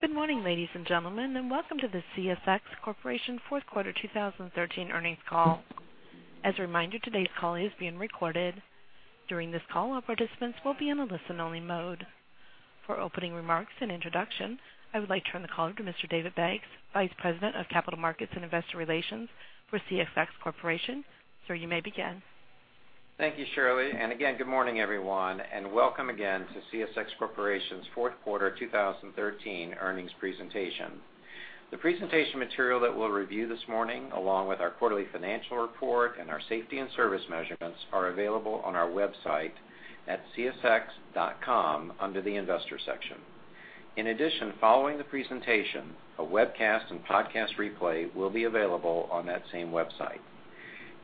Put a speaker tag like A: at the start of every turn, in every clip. A: Good morning, ladies and gentlemen, and welcome to the CSX Corporation 4th Quarter 2013 Earnings Call. As a reminder, today's call is being recorded. During this call, all participants will be in a listen-only mode. For opening remarks and introduction, I would like to turn the call over to Mr. David Baggs, Vice President of Capital Markets and Investor Relations for CSX Corporation. Sir, you may begin.
B: Thank you, Shirley. And again, good morning, everyone, and welcome again to CSX Corporation's 4th quarter 2013 earnings presentation. The presentation material that we'll review this morning, along with our quarterly financial report and our safety and service measurements, are available on our website at csx.com under the Investor section. In addition, following the presentation, a webcast and podcast replay will be available on that same website.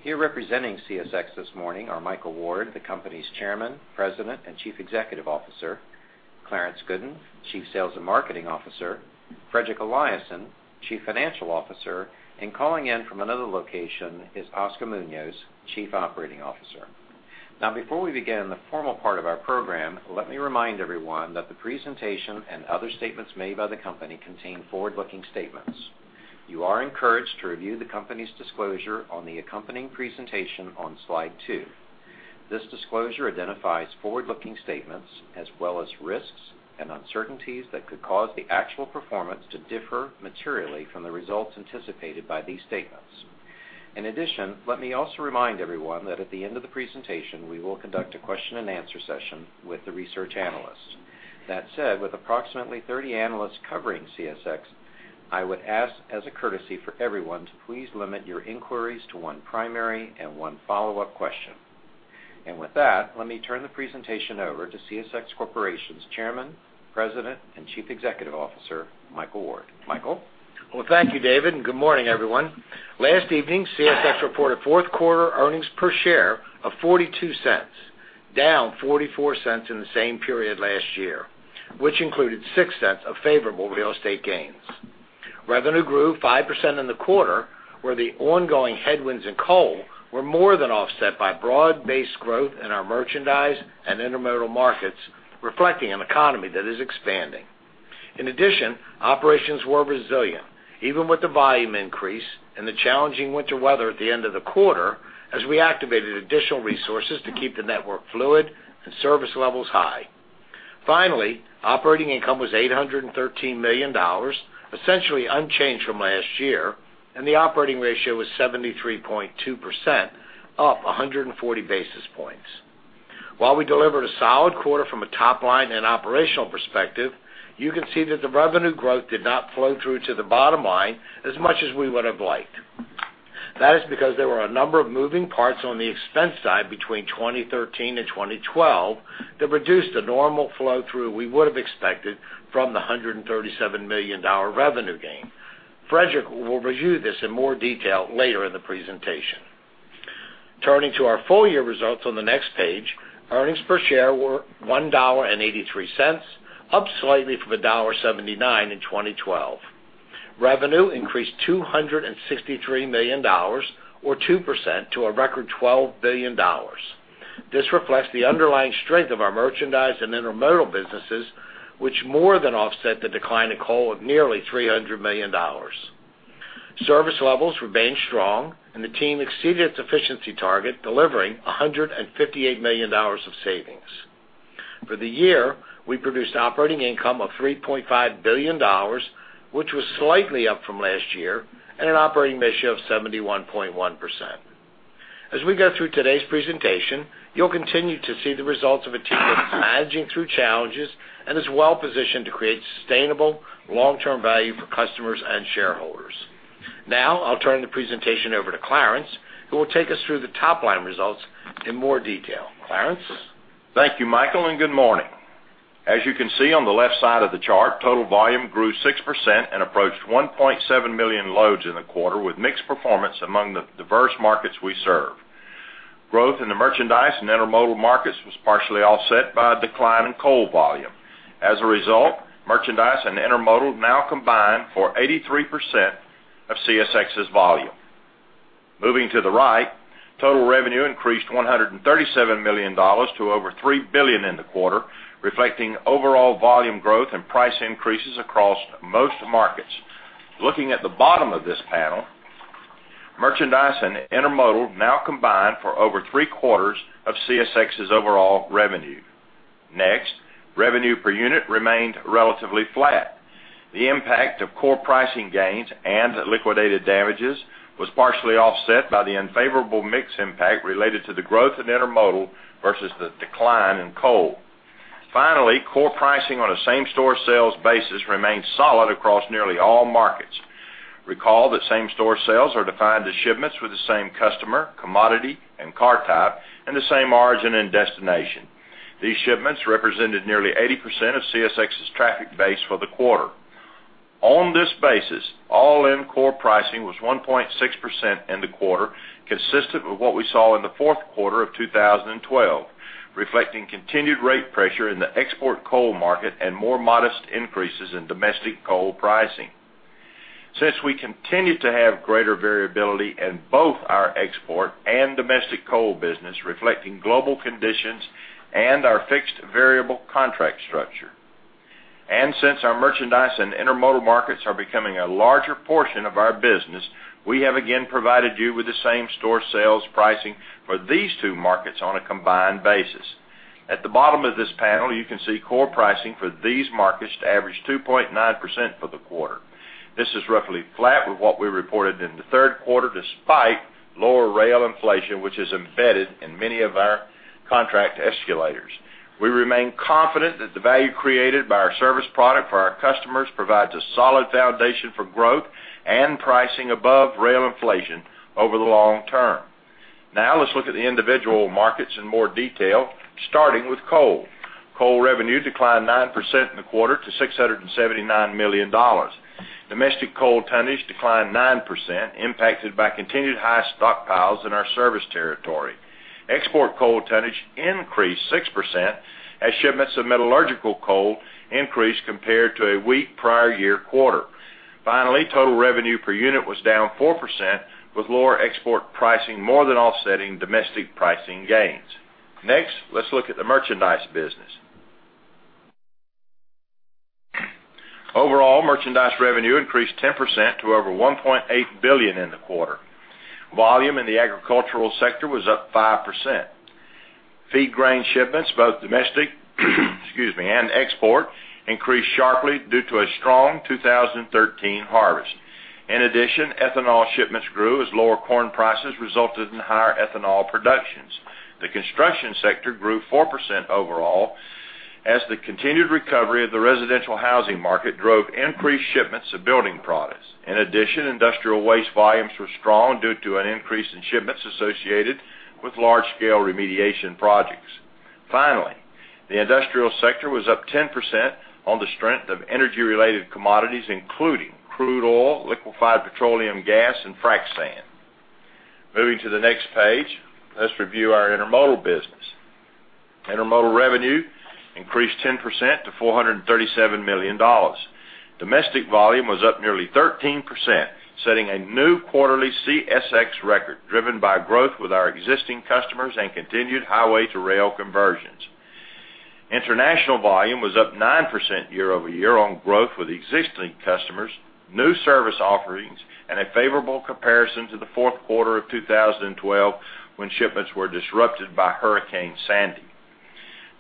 B: Here representing CSX this morning are Michael Ward, the company's Chairman, President, and Chief Executive Officer. Clarence Gooden, Chief Sales and Marketing Officer. Fredrik Eliasson, Chief Financial Officer. And calling in from another location is Oscar Munoz, Chief Operating Officer. Now, before we begin the formal part of our program, let me remind everyone that the presentation and other statements made by the company contain forward-looking statements. You are encouraged to review the company's disclosure on the accompanying presentation on slide 2. This disclosure identifies forward-looking statements as well as risks and uncertainties that could cause the actual performance to differ materially from the results anticipated by these statements. In addition, let me also remind everyone that at the end of the presentation, we will conduct a question-and-answer session with the research analyst. That said, with approximately 30 analysts covering CSX, I would ask, as a courtesy for everyone, to please limit your inquiries to one primary and one follow-up question. With that, let me turn the presentation over to CSX Corporation's Chairman, President, and Chief Executive Officer, Michael Ward. Michael?
C: Well, thank you, David, and good morning, everyone. Last evening, CSX reported 4th quarter earnings per share of $0.42, down $0.44 in the same period last year, which included $0.06 of favorable real estate gains. Revenue grew 5% in the quarter, where the ongoing headwinds in coal were more than offset by broad-based growth in our merchandise and intermodal markets, reflecting an economy that is expanding. In addition, operations were resilient even with the volume increase and the challenging winter weather at the end of the quarter as we activated additional resources to keep the network fluid and service levels high. Finally, operating income was $813 million, essentially unchanged from last year, and the operating ratio was 73.2%, up 140 basis points. While we delivered a solid quarter from a top-line and operational perspective, you can see that the revenue growth did not flow through to the bottom line as much as we would have liked. That is because there were a number of moving parts on the expense side between 2013 and 2012 that reduced the normal flow-through we would have expected from the $137 million revenue gain. Fredrik will review this in more detail later in the presentation. Turning to our full-year results on the next page, earnings per share were $1.83, up slightly from $1.79 in 2012. Revenue increased $263 million, or 2%, to a record $12 billion. This reflects the underlying strength of our merchandise and intermodal businesses, which more than offset the decline in coal of nearly $300 million. Service levels remained strong, and the team exceeded its efficiency target, delivering $158 million of savings. For the year, we produced operating income of $3.5 billion, which was slightly up from last year and an operating ratio of 71.1%. As we go through today's presentation, you'll continue to see the results of a team that is managing through challenges and is well-positioned to create sustainable, long-term value for customers and shareholders. Now, I'll turn the presentation over to Clarence, who will take us through the top-line results in more detail. Clarence?
D: Thank you, Michael, and good morning. As you can see on the left side of the chart, total volume grew 6% and approached 1.7 million loads in the quarter with mixed performance among the diverse markets we serve. Growth in the merchandise and intermodal markets was partially offset by a decline in coal volume. As a result, merchandise and intermodal now combine for 83% of CSX's volume. Moving to the right, total revenue increased $137 million to over $3 billion in the quarter, reflecting overall volume growth and price increases across most markets. Looking at the bottom of this panel, merchandise and intermodal now combine for over three-quarters of CSX's overall revenue. Next, revenue per unit remained relatively flat. The impact of core pricing gains and liquidated damages was partially offset by the unfavorable mix impact related to the growth in intermodal versus the decline in coal. Finally, core pricing on a same-store sales basis remained solid across nearly all markets. Recall that same-store sales are defined as shipments with the same customer, commodity, and car type, and the same origin and destination. These shipments represented nearly 80% of CSX's traffic base for the quarter. On this basis, all-in core pricing was 1.6% in the quarter, consistent with what we saw in the 4th quarter of 2012, reflecting continued rate pressure in the export coal market and more modest increases in domestic coal pricing. Since we continue to have greater variability in both our export and domestic coal business, reflecting global conditions and our fixed variable contract structure. And since our merchandise and intermodal markets are becoming a larger portion of our business, we have again provided you with the same-store sales pricing for these two markets on a combined basis. At the bottom of this panel, you can see core pricing for these markets to average 2.9% for the quarter. This is roughly flat with what we reported in the 3rd quarter, despite lower rail inflation, which is embedded in many of our contract escalators. We remain confident that the value created by our service product for our customers provides a solid foundation for growth and pricing above rail inflation over the long term. Now, let's look at the individual markets in more detail, starting with coal. Coal revenue declined 9% in the quarter to $679 million. Domestic coal tonnage declined 9%, impacted by continued high stockpiles in our service territory. Export coal tonnage increased 6% as shipments of metallurgical coal increased compared to a weak prior-year quarter. Finally, total revenue per unit was down 4%, with lower export pricing more than offsetting domestic pricing gains. Next, let's look at the merchandise business. Overall, merchandise revenue increased 10% to over $1.8 billion in the quarter. Volume in the agricultural sector was up 5%. Feed grain shipments, both domestic and export, increased sharply due to a strong 2013 harvest. In addition, ethanol shipments grew as lower corn prices resulted in higher ethanol productions. The construction sector grew 4% overall as the continued recovery of the residential housing market drove increased shipments of building products. In addition, industrial waste volumes were strong due to an increase in shipments associated with large-scale remediation projects. Finally, the industrial sector was up 10% on the strength of energy-related commodities, including crude oil, liquefied petroleum gas, and frac sand. Moving to the next page, let's review our intermodal business. Intermodal revenue increased 10% to $437 million. Domestic volume was up nearly 13%, setting a new quarterly CSX record driven by growth with our existing customers and continued highway-to-rail conversions. International volume was up 9% year-over-year on growth with existing customers, new service offerings, and a favorable comparison to the 4th quarter of 2012 when shipments were disrupted by Hurricane Sandy.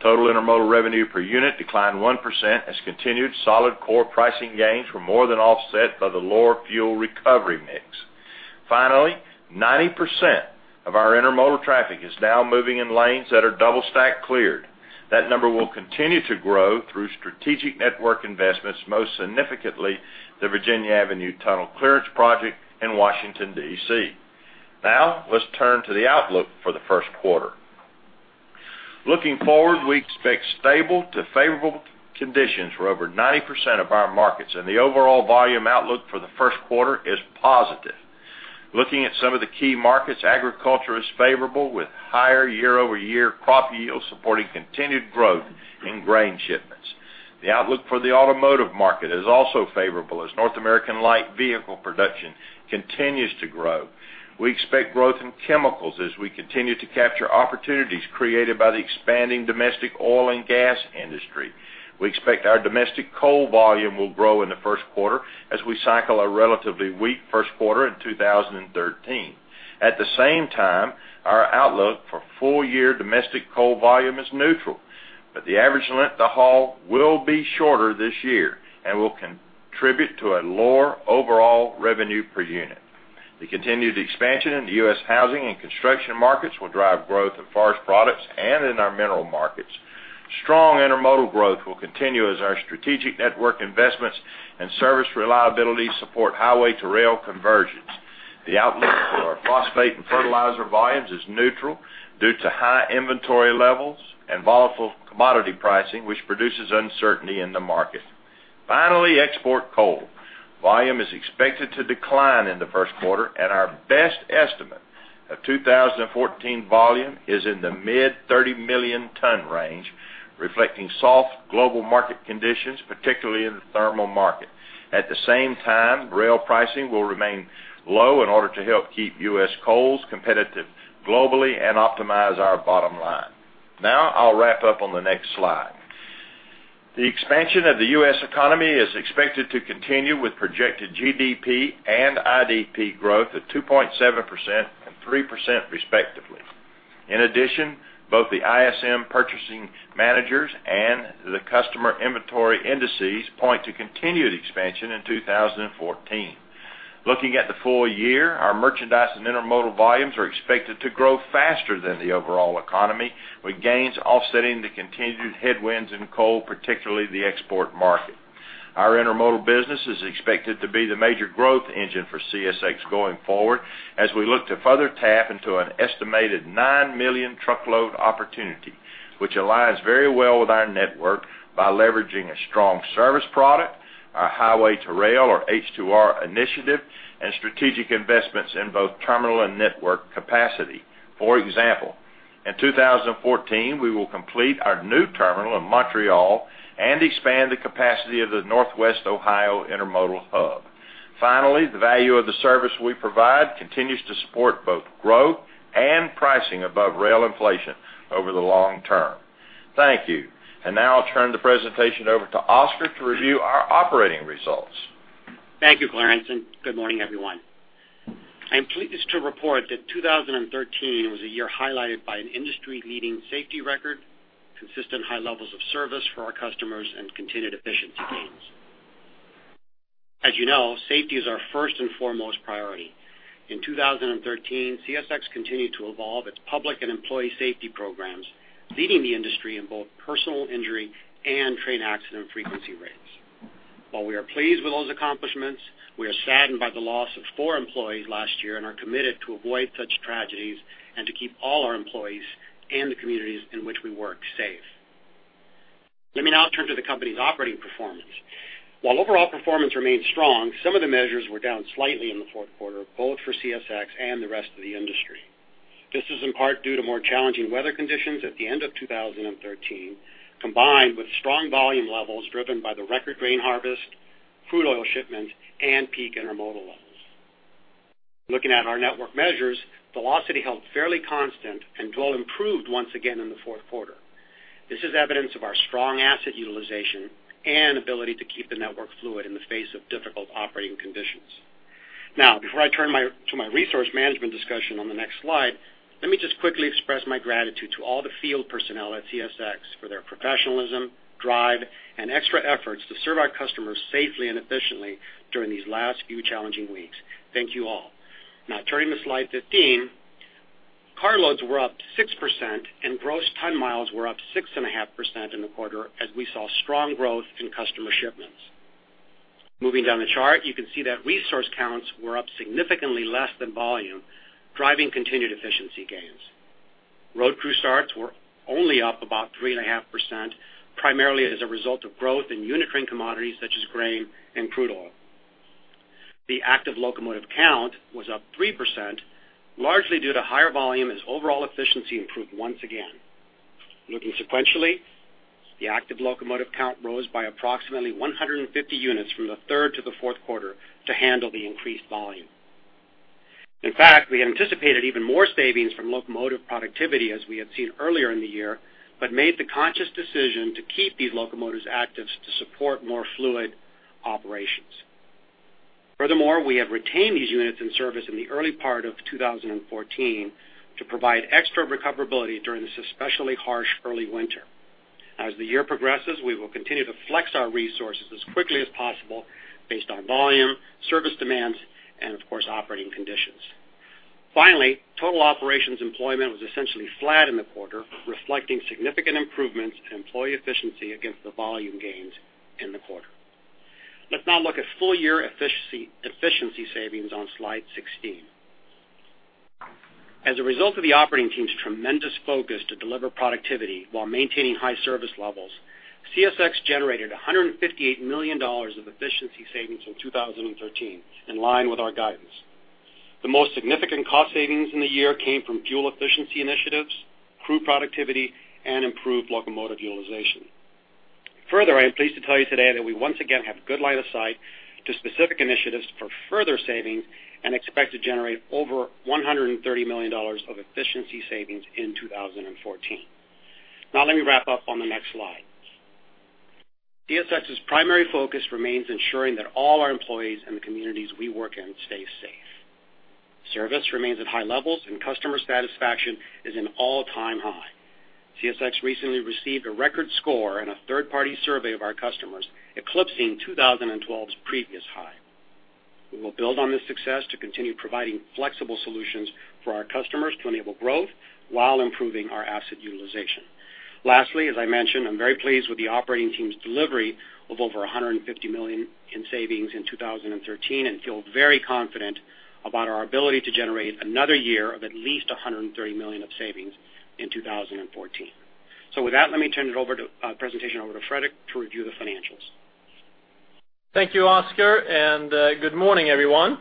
D: Total intermodal revenue per unit declined 1% as continued solid core pricing gains were more than offset by the lower fuel recovery mix. Finally, 90% of our intermodal traffic is now moving in lanes that are double-stack cleared. That number will continue to grow through strategic network investments, most significantly the Virginia Avenue Tunnel Clearance Project in Washington, D.C. Now, let's turn to the outlook for the 1st quarter. Looking forward, we expect stable to favorable conditions for over 90% of our markets, and the overall volume outlook for the 1st quarter is positive. Looking at some of the key markets, agriculture is favorable, with higher year-over-year crop yields supporting continued growth in grain shipments. The outlook for the automotive market is also favorable, as North American light vehicle production continues to grow. We expect growth in chemicals as we continue to capture opportunities created by the expanding domestic oil and gas industry. We expect our domestic coal volume will grow in the 1st quarter as we cycle a relatively weak 1st quarter in 2013. At the same time, our outlook for full-year domestic coal volume is neutral, but the average length of haul will be shorter this year and will contribute to a lower overall revenue per unit. The continued expansion in the U.S. housing and construction markets will drive growth in forest products and in our mineral markets. Strong intermodal growth will continue as our strategic network investments and service reliability support highway-to-rail conversions. The outlook for our phosphate and fertilizer volumes is neutral due to high inventory levels and volatile commodity pricing, which produces uncertainty in the market. Finally, export coal. Volume is expected to decline in the 1st quarter, and our best estimate of 2014 volume is in the mid-30 million-ton range, reflecting soft global market conditions, particularly in the thermal market. At the same time, rail pricing will remain low in order to help keep U.S. coals competitive globally and optimize our bottom line. Now, I'll wrap up on the next slide. The expansion of the U.S. economy is expected to continue with projected GDP and IDP growth of 2.7% and 3%, respectively. In addition, both the ISM purchasing managers and the customer inventory indices point to continued expansion in 2014. Looking at the full year, our merchandise and intermodal volumes are expected to grow faster than the overall economy, with gains offsetting the continued headwinds in coal, particularly the export market. Our intermodal business is expected to be the major growth engine for CSX going forward, as we look to further tap into an estimated nine million truckload opportunity, which aligns very well with our network by leveraging a strong service product, our highway-to-rail, or H2R, initiative, and strategic investments in both terminal and network capacity. For example, in 2014, we will complete our new terminal in Montreal and expand the capacity of the Northwest Ohio Intermodal Hub. Finally, the value of the service we provide continues to support both growth and pricing above rail inflation over the long term. Thank you. And now, I'll turn the presentation over to Oscar to review our operating results.
E: Thank you, Clarence, and good morning, everyone. I am pleased to report that 2013 was a year highlighted by an industry-leading safety record, consistent high levels of service for our customers, and continued efficiency gains. As you know, safety is our first and foremost priority. In 2013, CSX continued to evolve its public and employee safety programs, leading the industry in both personal injury and train accident frequency rates. While we are pleased with those accomplishments, we are saddened by the loss of 4 employees last year and are committed to avoid such tragedies and to keep all our employees and the communities in which we work safe. Let me now turn to the company's operating performance. While overall performance remained strong, some of the measures were down slightly in the 4th quarter, both for CSX and the rest of the industry. This is in part due to more challenging weather conditions at the end of 2013, combined with strong volume levels driven by the record grain harvest, crude oil shipments, and peak intermodal levels. Looking at our network measures, velocity held fairly constant and well improved once again in the 4th quarter. This is evidence of our strong asset utilization and ability to keep the network fluid in the face of difficult operating conditions. Now, before I turn to my resource management discussion on the next slide, let me just quickly express my gratitude to all the field personnel at CSX for their professionalism, drive, and extra efforts to serve our customers safely and efficiently during these last few challenging weeks. Thank you all. Now, turning to slide 15, car loads were up 6% and gross ton miles were up 6.5% in the quarter as we saw strong growth in customer shipments. Moving down the chart, you can see that resource counts were up significantly less than volume, driving continued efficiency gains. Road crew starts were only up about 3.5%, primarily as a result of growth in unit train commodities such as grain and crude oil. The active locomotive count was up 3%, largely due to higher volume as overall efficiency improved once again. Looking sequentially, the active locomotive count rose by approximately 150 units from the 3rd quarter to the 4th quarter to handle the increased volume. In fact, we had anticipated even more savings from locomotive productivity as we had seen earlier in the year, but made the conscious decision to keep these locomotives active to support more fluid operations. Furthermore, we have retained these units in service in the early part of 2014 to provide extra recoverability during this especially harsh early winter. As the year progresses, we will continue to flex our resources as quickly as possible based on volume, service demands, and, of course, operating conditions. Finally, total operations employment was essentially flat in the quarter, reflecting significant improvements in employee efficiency against the volume gains in the quarter. Let's now look at full-year efficiency savings on slide 16. As a result of the operating team's tremendous focus to deliver productivity while maintaining high service levels, CSX generated $158 million of efficiency savings in 2013, in line with our guidance. The most significant cost savings in the year came from fuel efficiency initiatives, crew productivity, and improved locomotive utilization. Further, I am pleased to tell you today that we once again have a good line of sight to specific initiatives for further savings and expect to generate over $130 million of efficiency savings in 2014. Now, let me wrap up on the next slide. CSX's primary focus remains ensuring that all our employees and the communities we work in stay safe. Service remains at high levels, and customer satisfaction is at an all-time high. CSX recently received a record score in a third-party survey of our customers, eclipsing 2012's previous high. We will build on this success to continue providing flexible solutions for our customers to enable growth while improving our asset utilization. Lastly, as I mentioned, I'm very pleased with the operating team's delivery of over $150 million in savings in 2013 and feel very confident about our ability to generate another year of at least $130 million of savings in 2014. So with that, let me turn the presentation over to Fredrik to review the financials.
F: Thank you, Oscar, and good morning, everyone.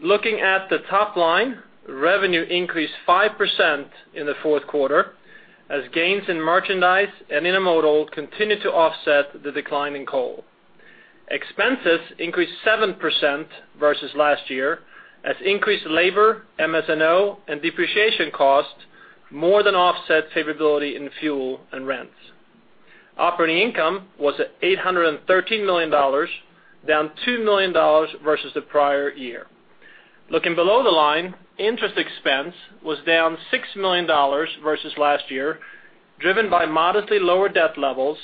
F: Looking at the top line, revenue increased 5% in the 4th quarter as gains in merchandise and intermodal continued to offset the decline in coal. Expenses increased 7% versus last year as increased labor, MS&O, and depreciation costs more than offset favorability in fuel and rents. Operating income was $813 million, down $2 million versus the prior year. Looking below the line, interest expense was down $6 million versus last year, driven by modestly lower debt levels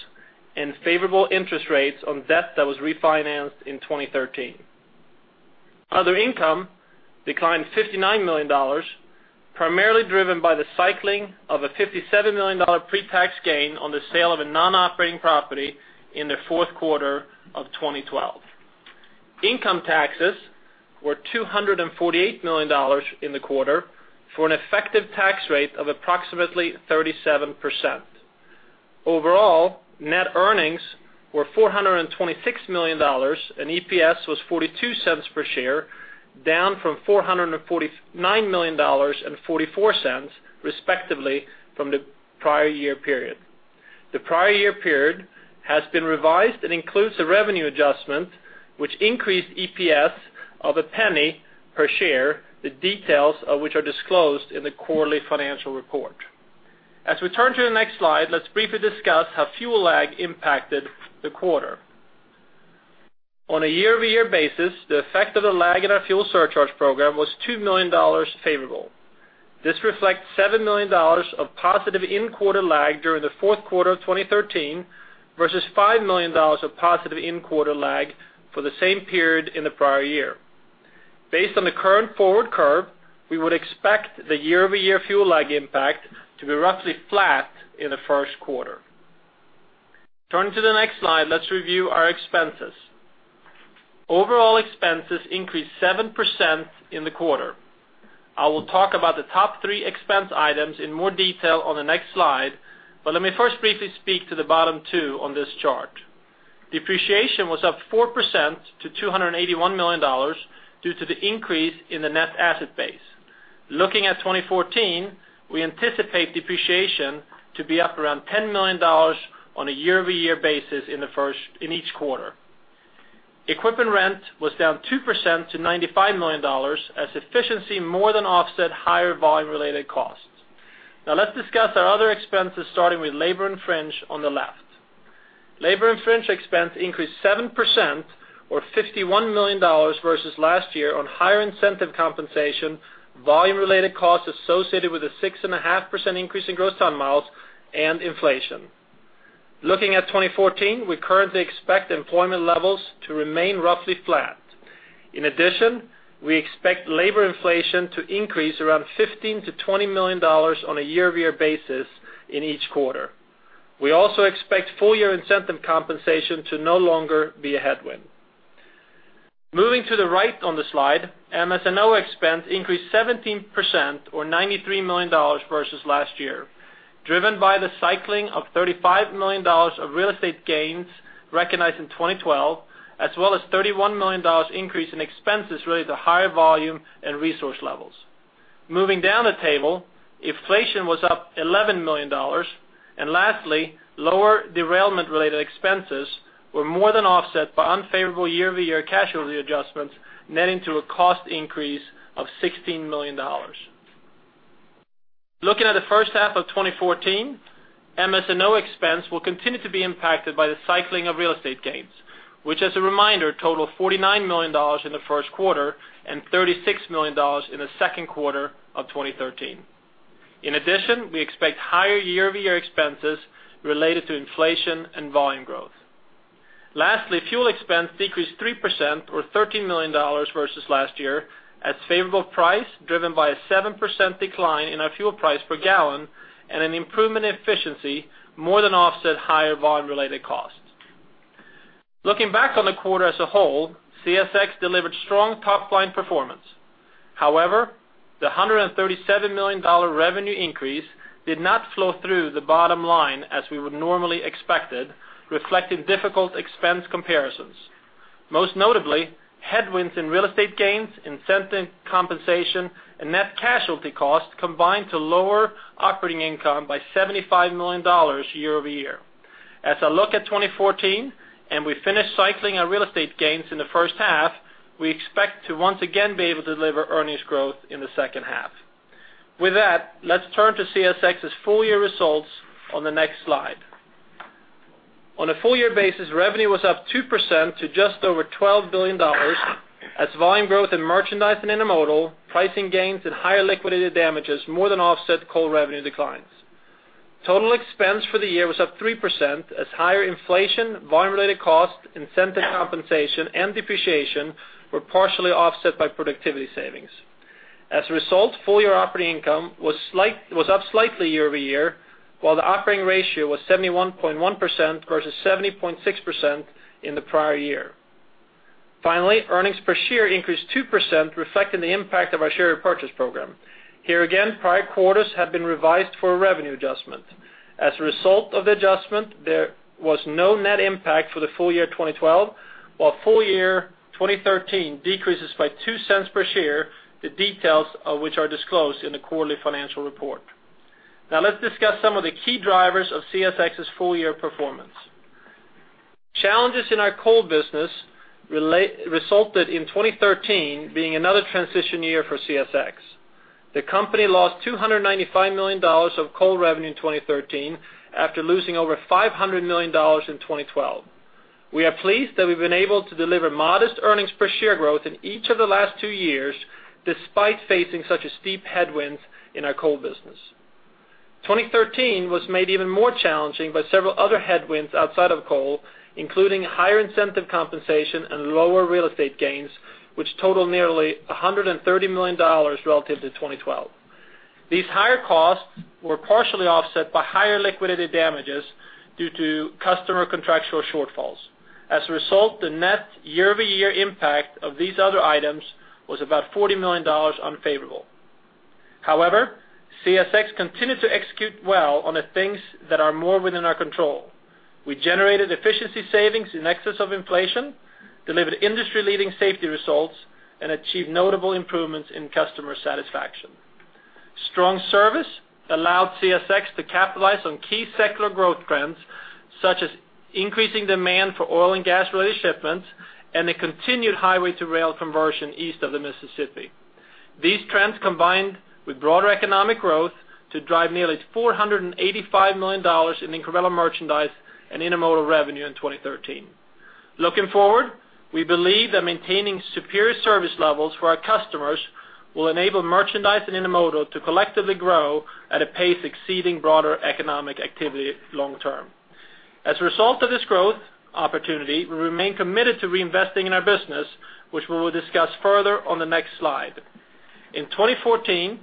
F: and favorable interest rates on debt that was refinanced in 2013. Other income declined $59 million, primarily driven by the cycling of a $57 million pre-tax gain on the sale of a non-operating property in the 4th quarter of 2012. Income taxes were $248 million in the quarter for an effective tax rate of approximately 37%. Overall, net earnings were $426 million, and EPS was $0.42 per share, down from $449 million and $0.44, respectively, from the prior year period. The prior year period has been revised and includes a revenue adjustment which increased EPS of $0.01 per share, the details of which are disclosed in the quarterly financial report. As we turn to the next slide, let's briefly discuss how fuel lag impacted the quarter. On a year-over-year basis, the effect of the lag in our fuel surcharge program was $2 million favorable. This reflects $7 million of positive in-quarter lag during the 4th quarter of 2013 versus $5 million of positive in-quarter lag for the same period in the prior year. Based on the current forward curve, we would expect the year-over-year fuel lag impact to be roughly flat in the 1st quarter. Turning to the next slide, let's review our expenses. Overall expenses increased 7% in the quarter. I will talk about the top three expense items in more detail on the next slide, but let me first briefly speak to the bottom two on this chart. Depreciation was up 4% to $281 million due to the increase in the net asset base. Looking at 2014, we anticipate depreciation to be up around $10 million on a year-over-year basis in each quarter. Equipment rent was down 2% to $95 million as efficiency more than offset higher volume-related costs. Now, let's discuss our other expenses, starting with labor and fringe on the left. Labor and fringe expense increased 7%, or $51 million versus last year, on higher incentive compensation, volume-related costs associated with a 6.5% increase in gross ton miles, and inflation. Looking at 2014, we currently expect employment levels to remain roughly flat. In addition, we expect labor inflation to increase around $15 million-$20 million on a year-over-year basis in each quarter. We also expect full-year incentive compensation to no longer be a headwind. Moving to the right on the slide, MS&O expense increased 17%, or $93 million versus last year, driven by the cycling of $35 million of real estate gains recognized in 2012, as well as a $31 million increase in expenses related to higher volume and resource levels. Moving down the table, inflation was up $11 million, and lastly, lower derailment-related expenses were more than offset by unfavorable year-over-year casualty adjustments, netting to a cost increase of $16 million. Looking at the 1st half of 2014, MS&O expense will continue to be impacted by the cycling of real estate gains, which, as a reminder, totaled $49 million in the 1st quarter and $36 million in the 2nd quarter of 2013. In addition, we expect higher year-over-year expenses related to inflation and volume growth. Lastly, fuel expense decreased 3%, or $13 million versus last year, as favorable price driven by a 7% decline in our fuel price per gallon and an improvement in efficiency more than offset higher volume-related costs. Looking back on the quarter as a whole, CSX delivered strong top-line performance. However, the $137 million revenue increase did not flow through the bottom line as we would normally expected, reflecting difficult expense comparisons. Most notably, headwinds in real estate gains, incentive compensation, and net cash revenue costs combined to lower operating income by $75 million year-over-year. As I look at 2014 and we finish cycling our real estate gains in the 1st half, we expect to once again be able to deliver earnings growth in the 2nd half. With that, let's turn to CSX's full-year results on the next slide. On a full-year basis, revenue was up 2% to just over $12 billion as volume growth in merchandise and intermodal, pricing gains, and higher liquidated damages more than offset coal revenue declines. Total expense for the year was up 3% as higher inflation, volume-related costs, incentive compensation, and depreciation were partially offset by productivity savings. As a result, full-year operating income was up slightly year-over-year, while the operating ratio was 71.1% versus 70.6% in the prior year. Finally, earnings per share increased 2%, reflecting the impact of our share repurchase program. Here again, prior quarters had been revised for a revenue adjustment. As a result of the adjustment, there was no net impact for the full year 2012, while full-year 2013 decreases by $0.02 per share, the details of which are disclosed in the quarterly financial report. Now, let's discuss some of the key drivers of CSX's full-year performance. Challenges in our coal business resulted in 2013 being another transition year for CSX. The company lost $295 million of coal revenue in 2013 after losing over $500 million in 2012. We are pleased that we've been able to deliver modest earnings per share growth in each of the last two years despite facing such a steep headwind in our coal business. 2013 was made even more challenging by several other headwinds outside of coal, including higher incentive compensation and lower real estate gains, which totaled nearly $130 million relative to 2012. These higher costs were partially offset by higher liquidated damages due to customer contractual shortfalls. As a result, the net year-over-year impact of these other items was about $40 million unfavorable. However, CSX continued to execute well on the things that are more within our control. We generated efficiency savings in excess of inflation, delivered industry-leading safety results, and achieved notable improvements in customer satisfaction. Strong service allowed CSX to capitalize on key secular growth trends such as increasing demand for oil and gas-related shipments and the continued highway-to-rail conversion east of the Mississippi. These trends combined with broader economic growth to drive nearly $485 million in incremental merchandise and intermodal revenue in 2013. Looking forward, we believe that maintaining superior service levels for our customers will enable merchandise and intermodal to collectively grow at a pace exceeding broader economic activity long term. As a result of this growth opportunity, we remain committed to reinvesting in our business, which we will discuss further on the next slide. In 2014,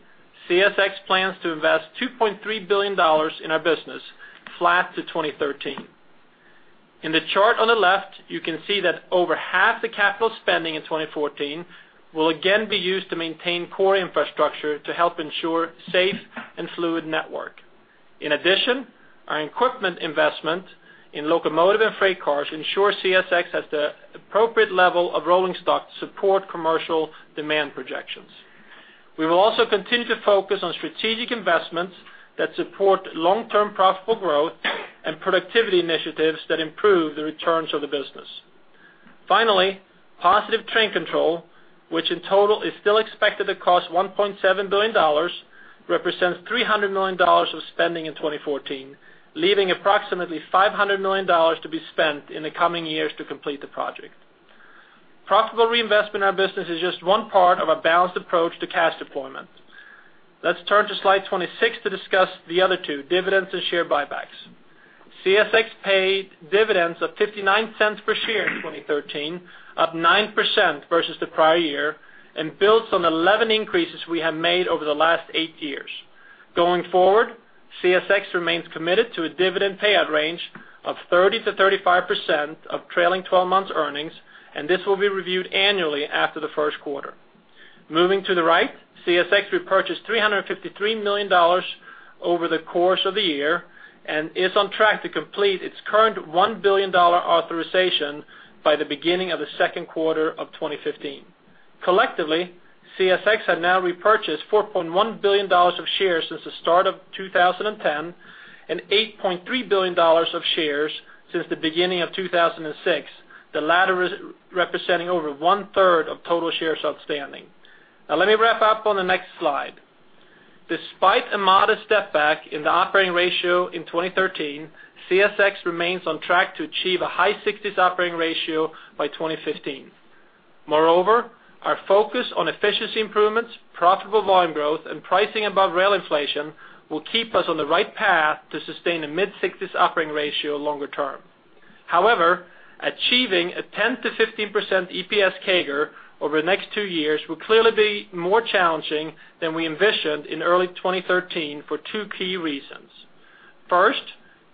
F: CSX plans to invest $2.3 billion in our business, flat to 2013. In the chart on the left, you can see that over half the capital spending in 2014 will again be used to maintain core infrastructure to help ensure a safe and fluid network. In addition, our equipment investment in locomotive and freight cars ensures CSX has the appropriate level of rolling stock to support commercial demand projections. We will also continue to focus on strategic investments that support long-term profitable growth and productivity initiatives that improve the returns of the business. Finally, positive train control, which in total is still expected to cost $1.7 billion, represents $300 million of spending in 2014, leaving approximately $500 million to be spent in the coming years to complete the project. Profitable reinvestment in our business is just one part of a balanced approach to cash deployment. Let's turn to slide 26 to discuss the other two, dividends and share buybacks. CSX paid dividends of $0.59 per share in 2013, up 9% versus the prior year, and builds on 11 increases we have made over the last eight years. Going forward, CSX remains committed to a dividend payout range of 30%-35% of trailing 12 months' earnings, and this will be reviewed annually after the 1st quarter. Moving to the right, CSX repurchased $353 million over the course of the year and is on track to complete its current $1 billion authorization by the beginning of the 2nd quarter of 2015. Collectively, CSX had now repurchased $4.1 billion of shares since the start of 2010 and $8.3 billion of shares since the beginning of 2006, the latter representing over 1/3 of total shares outstanding. Now, let me wrap up on the next slide. Despite a modest step back in the operating ratio in 2013, CSX remains on track to achieve a high 60s operating ratio by 2015. Moreover, our focus on efficiency improvements, profitable volume growth, and pricing above rail inflation will keep us on the right path to sustain a mid-60s operating ratio longer term. However, achieving a 10%-15% EPS CAGR over the next two years will clearly be more challenging than we envisioned in early 2013 for two key reasons. First,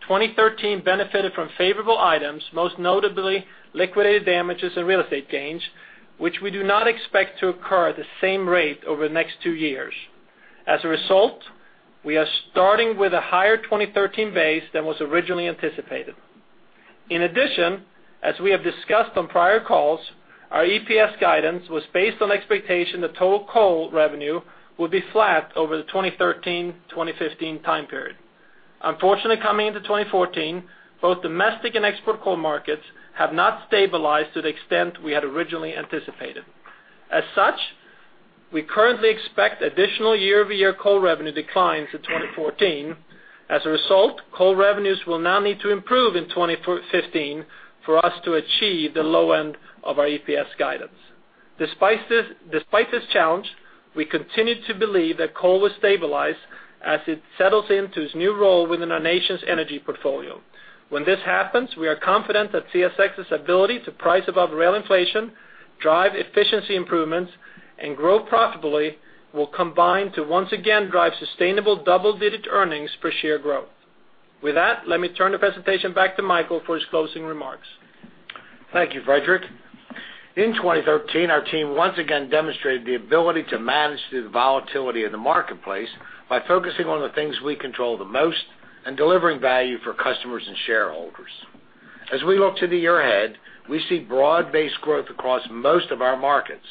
F: 2013 benefited from favorable items, most notably liquidated damages and real estate gains, which we do not expect to occur at the same rate over the next two years. As a result, we are starting with a higher 2013 base than was originally anticipated. In addition, as we have discussed on prior calls, our EPS guidance was based on expectation that total coal revenue would be flat over the 2013-2015 time period. Unfortunately, coming into 2014, both domestic and export coal markets have not stabilized to the extent we had originally anticipated. As such, we currently expect additional year-over-year coal revenue declines in 2014. As a result, coal revenues will now need to improve in 2015 for us to achieve the low end of our EPS guidance. Despite this challenge, we continue to believe that coal will stabilize as it settles into its new role within our nation's energy portfolio. When this happens, we are confident that CSX's ability to price above rail inflation, drive efficiency improvements, and grow profitably will combine to once again drive sustainable double-digit earnings per share growth. With that, let me turn the presentation back to Michael for his closing remarks.
C: Thank you, Fredrik. In 2013, our team once again demonstrated the ability to manage the volatility of the marketplace by focusing on the things we control the most and delivering value for customers and shareholders. As we look to the year ahead, we see broad-based growth across most of our markets.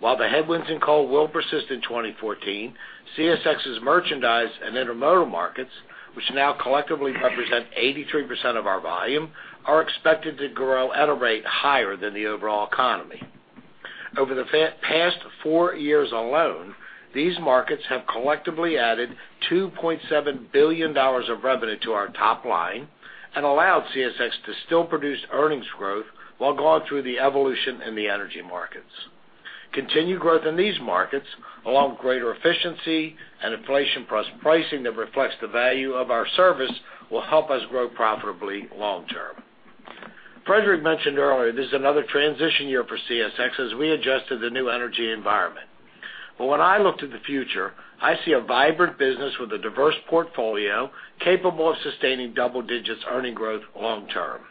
C: While the headwinds in coal will persist in 2014, CSX's merchandise and intermodal markets, which now collectively represent 83% of our volume, are expected to grow at a rate higher than the overall economy. Over the past four years alone, these markets have collectively added $2.7 billion of revenue to our top line and allowed CSX to still produce earnings growth while going through the evolution in the energy markets. Continued growth in these markets, along with greater efficiency and inflation-plus pricing that reflects the value of our service, will help us grow profitably long term. Fredrik mentioned earlier this is another transition year for CSX as we adjust to the new energy environment. But when I look to the future, I see a vibrant business with a diverse portfolio capable of sustaining double-digit earnings growth long term.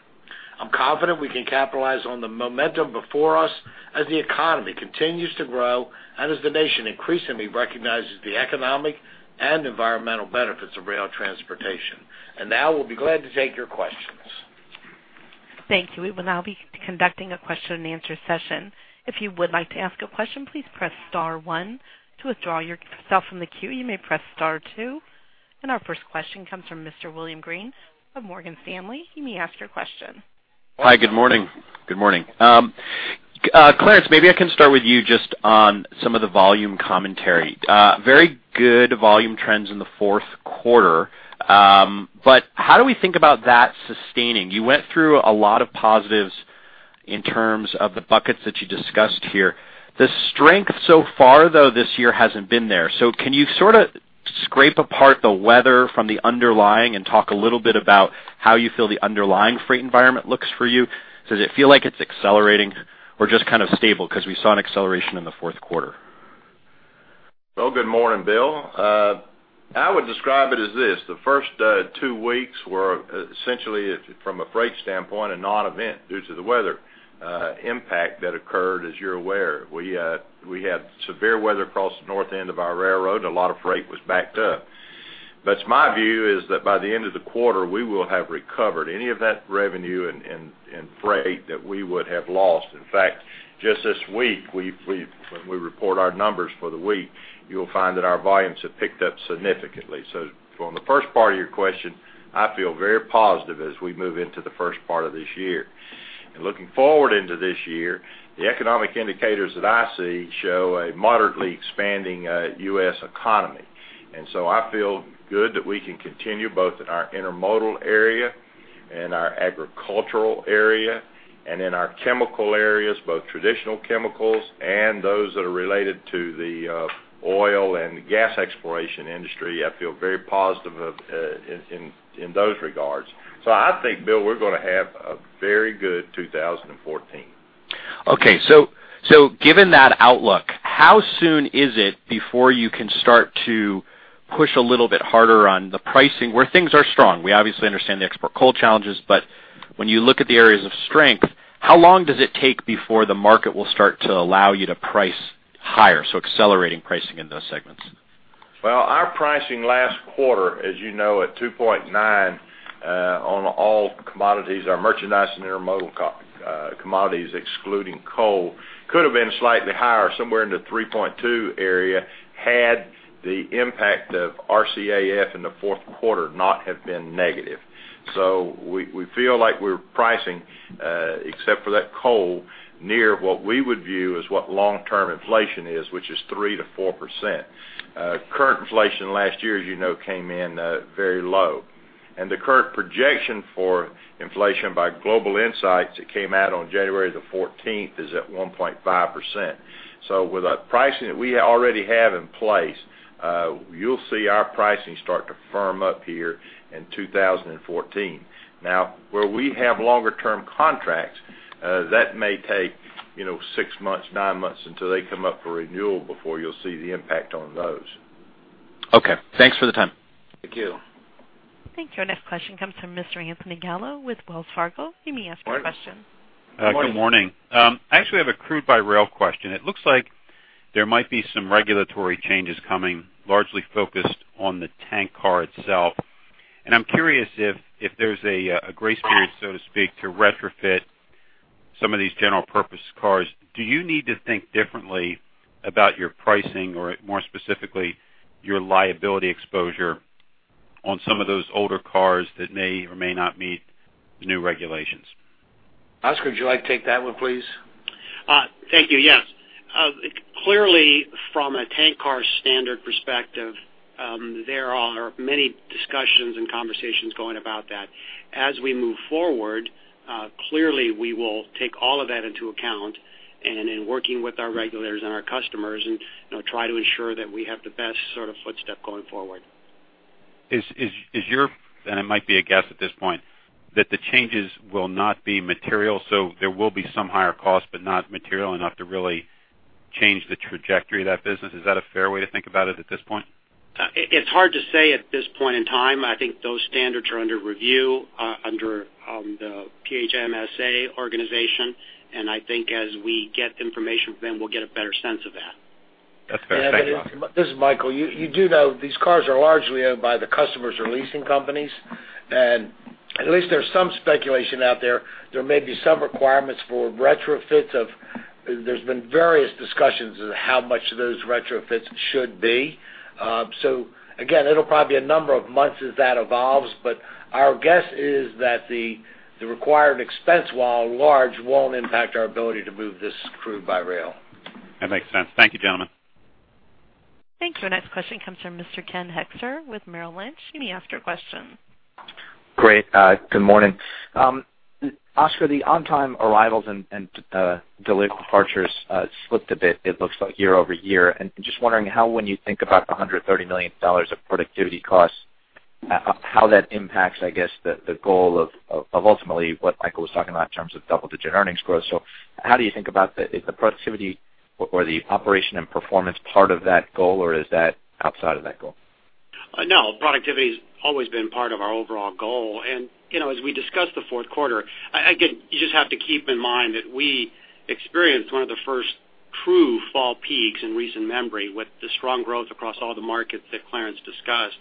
C: I'm confident we can capitalize on the momentum before us as the economy continues to grow and as the nation increasingly recognizes the economic and environmental benefits of rail transportation. Now, we'll be glad to take your questions.
A: Thank you. We will now be conducting a question-and-answer session. If you would like to ask a question, please press star one. To withdraw yourself from the queue, you may press star two. And our first question comes from Mr. William Greene of Morgan Stanley. You may ask your question.
G: Hi. Good morning.
D: Good morning.
G: Clarence, maybe I can start with you just on some of the volume commentary. Very good volume trends in the 4th quarter. But how do we think about that sustaining? You went through a lot of positives in terms of the buckets that you discussed here. The strength so far, though, this year hasn't been there. So can you sort of scrape apart the weather from the underlying and talk a little bit about how you feel the underlying freight environment looks for you? Does it feel like it's accelerating or just kind of stable because we saw an acceleration in the 4th quarter?
D: Well, good morning, Bill. I would describe it as this. The first two weeks were essentially, from a freight standpoint, a non-event due to the weather impact that occurred, as you're aware. We had severe weather across the north end of our railroad, and a lot of freight was backed up. But my view is that by the end of the quarter, we will have recovered any of that revenue and freight that we would have lost. In fact, just this week, when we report our numbers for the week, you'll find that our volumes have picked up significantly. So on the first part of your question, I feel very positive as we move into the first part of this year. And looking forward into this year, the economic indicators that I see show a moderately expanding U.S. economy. And so I feel good that we can continue both in our intermodal area and our agricultural area and in our chemical areas, both traditional chemicals and those that are related to the oil and gas exploration industry. I feel very positive in those regards. So I think, Bill, we're going to have a very good 2014.
G: Okay. So given that outlook, how soon is it before you can start to push a little bit harder on the pricing where things are strong? We obviously understand the export coal challenges. But when you look at the areas of strength, how long does it take before the market will start to allow you to price higher, so accelerating pricing in those segments?
D: Well, our pricing last quarter, as you know, at 2.9 on all commodities, our merchandise and intermodal commodities excluding coal, could have been slightly higher, somewhere in the 3.2 area, had the impact of RCAF in the 4th quarter not have been negative. So we feel like we're pricing, except for that coal, near what we would view as what long-term inflation is, which is 3%-4%. Current inflation last year, as you know, came in very low. The current projection for inflation by IHS Global Insight that came out on January the 14th is at 1.5%. So with the pricing that we already have in place, you'll see our pricing start to firm up here in 2014. Now, where we have longer-term contracts, that may take six months, nine months until they come up for renewal before you'll see the impact on those.
G: Okay. Thanks for the time.
A: Thank you. Thank you. Our next question comes from Mr. Anthony Gallo with Wells Fargo. He may ask your question.
C: Good morning.
H: Good morning. I actually have a crude-by-rail question. It looks like there might be some regulatory changes coming, largely focused on the tank car itself. And I'm curious if there's a grace period, so to speak, to retrofit some of these general-purpose cars. Do you need to think differently about your pricing or, more specifically, your liability exposure on some of those older cars that may or may not meet the new regulations?
C: Oscar, would you like to take that one, please?
E: Thank you. Yes. Clearly, from a tank car standard perspective, there are many discussions and conversations going about that. As we move forward, clearly, we will take all of that into account and, in working with our regulators and our customers, try to ensure that we have the best sort of footstep going forward.
H: It might be a guess at this point that the changes will not be material, so there will be some higher costs but not material enough to really change the trajectory of that business. Is that a fair way to think about it at this point?
E: It's hard to say at this point in time. I think those standards are under review under the PHMSA organization. And I think as we get information from them, we'll get a better sense of that.
H: That's fair. Thank you,
C: Oscar. This is Michael. You do know these cars are largely owned by the customers or leasing companies. And at least there's some speculation out there. There may be some requirements for retrofits. There's been various discussions as to how much those retrofits should be. So again, it'll probably be a number of months as that evolves. But our guess is that the required expense, while large, won't impact our ability to move this crude-by-rail.
H: That makes sense. Thank you, gentlemen.
A: Thank you. Our next question comes from Mr. Ken Hoexter with Merrill Lynch. You may ask your question.
I: Great. Good morning. Oscar, the on-time arrivals and delayed departures slipped a bit, it looks like, year-over-year. And just wondering how, when you think about the $130 million of productivity costs, how that impacts, I guess, the goal of ultimately what Michael was talking about in terms of double-digit earnings growth. So how do you think about the productivity or the operation and performance part of that goal, or is that outside of that goal?
E: No. Productivity has always been part of our overall goal. And as we discussed the 4th quarter, again, you just have to keep in mind that we experienced one of the first true fall peaks in recent memory with the strong growth across all the markets that Clarence discussed.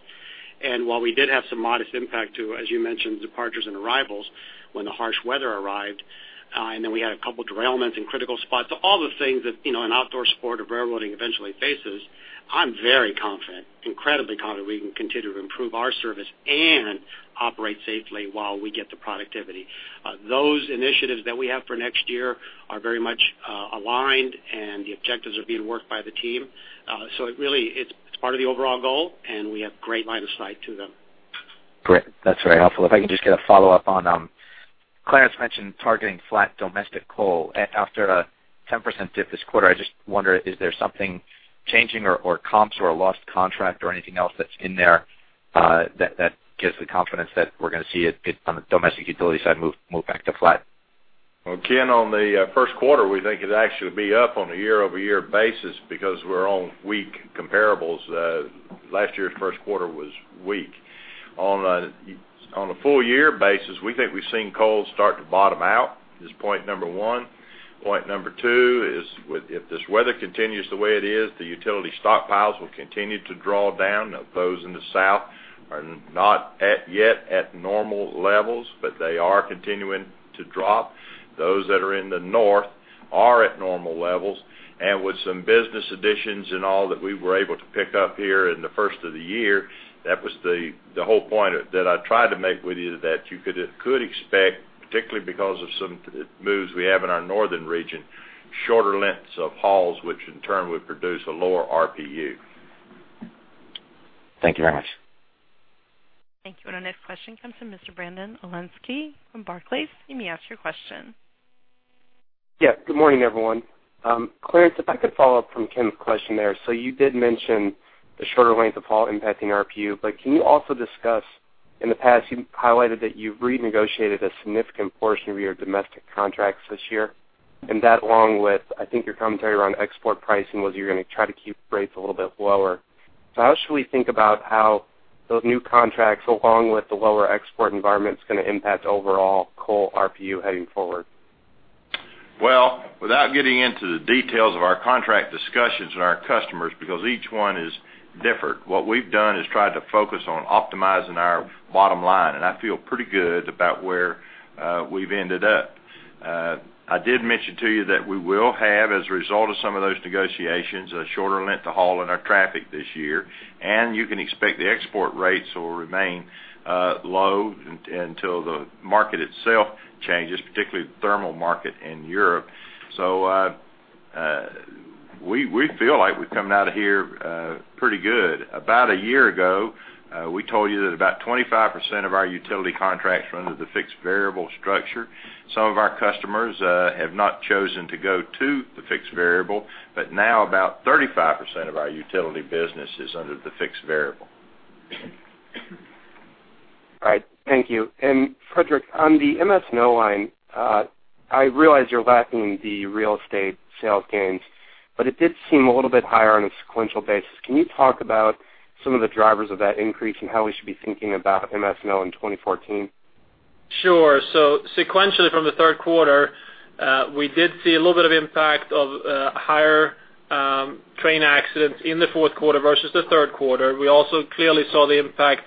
E: And while we did have some modest impact to, as you mentioned, departures and arrivals when the harsh weather arrived and then we had a couple of derailments in critical spots, so all the things that an outdoor sport of railroading eventually faces, I'm very confident, incredibly confident, we can continue to improve our service and operate safely while we get the productivity. Those initiatives that we have for next year are very much aligned, and the objectives are being worked by the team. So really, it's part of the overall goal, and we have great line of sight to them.
I: Great. That's very helpful. If I can just get a follow-up on Clarence mentioned targeting flat domestic coal after a 10% dip this quarter. I just wonder, is there something changing or comps or a lost contract or anything else that's in there that gives the confidence that we're going to see it on the domestic utility side move back to flat?
D: Again, on the 1st quarter, we think it'll actually be up on a year-over-year basis because we're on weak comparables. Last year's 1st quarter was weak. On a full-year basis, we think we've seen coal start to bottom out. This is point number one. Point number two is, if this weather continues the way it is, the utility stockpiles will continue to draw down. Those in the south are not yet at normal levels, but they are continuing to drop. Those that are in the north are at normal levels. And with some business additions and all that we were able to pick up here in the first of the year, that was the whole point that I tried to make with you, that you could expect, particularly because of some moves we have in our northern region, shorter lengths of hauls, which in turn would produce a lower RPU.
I: Thank you very much.
A: Thank you. And our next question comes from Mr. Brandon Oglenski from Barclays. You may ask your question.
J: Yeah. Good morning, everyone. Clarence, if I could follow up from Ken's question there. So you did mention the shorter length of haul impacting RPU. But can you also discuss? In the past, you've highlighted that you've renegotiated a significant portion of your domestic contracts this year. And that, along with I think your commentary around export pricing was you're going to try to keep rates a little bit lower. So how should we think about how those new contracts, along with the lower export environment, is going to impact overall coal RPU heading forward?
D: Well, without getting into the details of our contract discussions and our customers because each one is different, what we've done is tried to focus on optimizing our bottom line. And I feel pretty good about where we've ended up. I did mention to you that we will have, as a result of some of those negotiations, a shorter length to haul in our traffic this year. You can expect the export rates will remain low until the market itself changes, particularly the thermal market in Europe. We feel like we've come out of here pretty good. About a year ago, we told you that about 25% of our utility contracts were under the fixed variable structure. Some of our customers have not chosen to go to the fixed variable. But now, about 35% of our utility business is under the fixed variable.
J: All right. Thank you. Fredrik, on the MS&O line, I realize you're lacking the real estate sales gains. It did seem a little bit higher on a sequential basis. Can you talk about some of the drivers of that increase and how we should be thinking about MS&O in 2014?
F: Sure. So sequentially, from the 3rd quarter, we did see a little bit of impact of higher train accidents in the 4th quarter versus the 3rd quarter. We also clearly saw the impact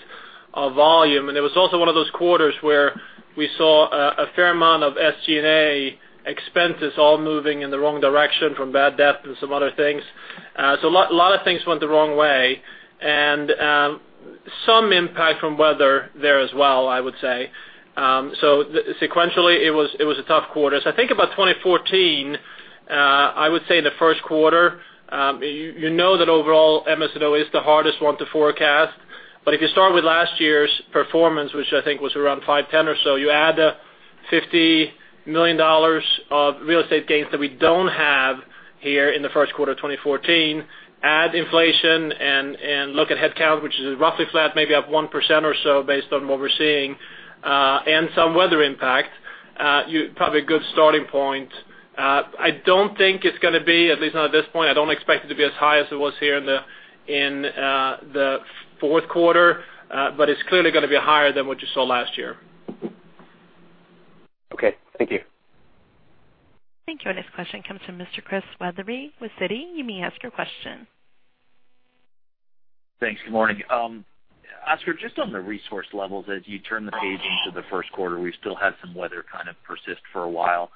F: of volume. And it was also one of those quarters where we saw a fair amount of SG&A expenses all moving in the wrong direction from bad debt and some other things. So a lot of things went the wrong way. And some impact from weather there as well, I would say. So sequentially, it was a tough quarter. So I think about 2014, I would say in the 1st quarter, you know that overall, MS&O is the hardest one to forecast. But if you start with last year's performance, which I think was around 5-10 or so, you add $50 million of real estate gains that we don't have here in the 1st quarter of 2014, add inflation, and look at headcount, which is roughly flat, maybe up 1% or so based on what we're seeing, and some weather impact, probably a good starting point. I don't think it's going to be, at least not at this point. I don't expect it to be as high as it was here in the 4th quarter. But it's clearly going to be higher than what you saw last year.
J: Okay. Thank you.
A: Thank you. Our next question comes from Mr. Chris Wetherbee with Citi. You may ask your question.
K: Thanks. Good morning. Oscar, just on the resource levels, as you turn the page into the 1st quarter, we still have some weather kind of persist for a while.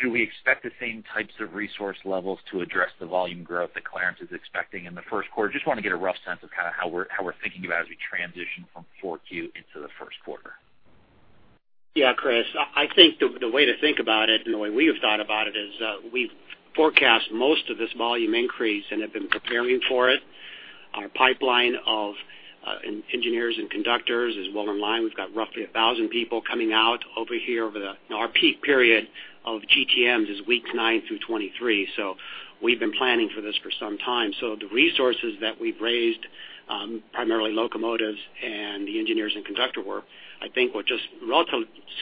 K: Should we expect the same types of resource levels to address the volume growth that Clarence is expecting in the 1st quarter? Just want to get a rough sense of kind of how we're thinking about it as we transition from 4Q into the 1st quarter.
E: Yeah, Chris. I think the way to think about it and the way we have thought about it is we've forecast most of this volume increase and have been preparing for it. Our pipeline of engineers and conductors is well in line. We've got roughly 1,000 people coming out over here over the our peak period of GTMs is weeks 9 through 23. So we've been planning for this for some time. So the resources that we've raised, primarily locomotives and the engineers and conductor work, I think will just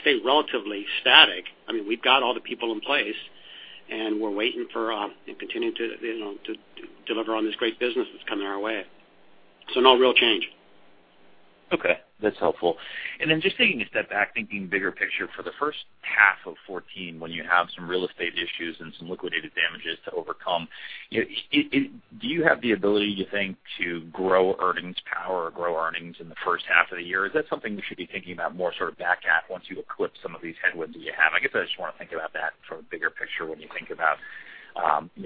E: stay relatively static. I mean, we've got all the people in place, and we're waiting for and continuing to deliver on this great business that's coming our way. So no real change.
K: Okay. That's helpful. And then just taking a step back, thinking bigger picture for the 1st half of 2014 when you have some real estate issues and some liquidated damages to overcome, do you have the ability, you think, to grow earnings power or grow earnings in the 1st half of the year? Is that something we should be thinking about more sort of back at once you eclipse some of these headwinds that you have? I guess I just want to think about that from a bigger picture when you think about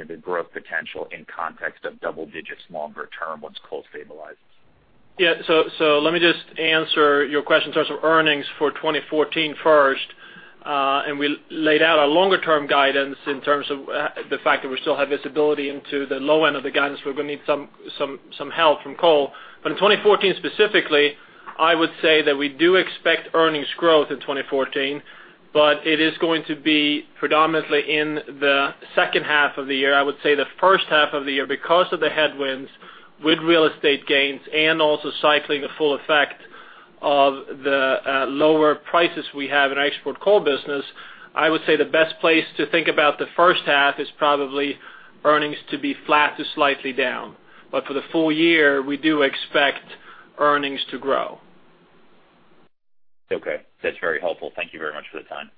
K: the growth potential in context of double digits, longer-term, once coal stabilizes.
F: Yeah. So let me just answer your question in terms of earnings for 2014 first. We laid out our longer-term guidance in terms of the fact that we still have visibility into the low end of the guidance. We're going to need some help from coal. But in 2014 specifically, I would say that we do expect earnings growth in 2014. But it is going to be predominantly in the 2nd half of the year. I would say the 1st half of the year because of the headwinds with real estate gains and also cycling the full effect of the lower prices we have in our export coal business. I would say the best place to think about the 1st half is probably earnings to be flat to slightly down. But for the full year, we do expect earnings to grow.
K: Okay. That's very helpful. Thank you very much for the time.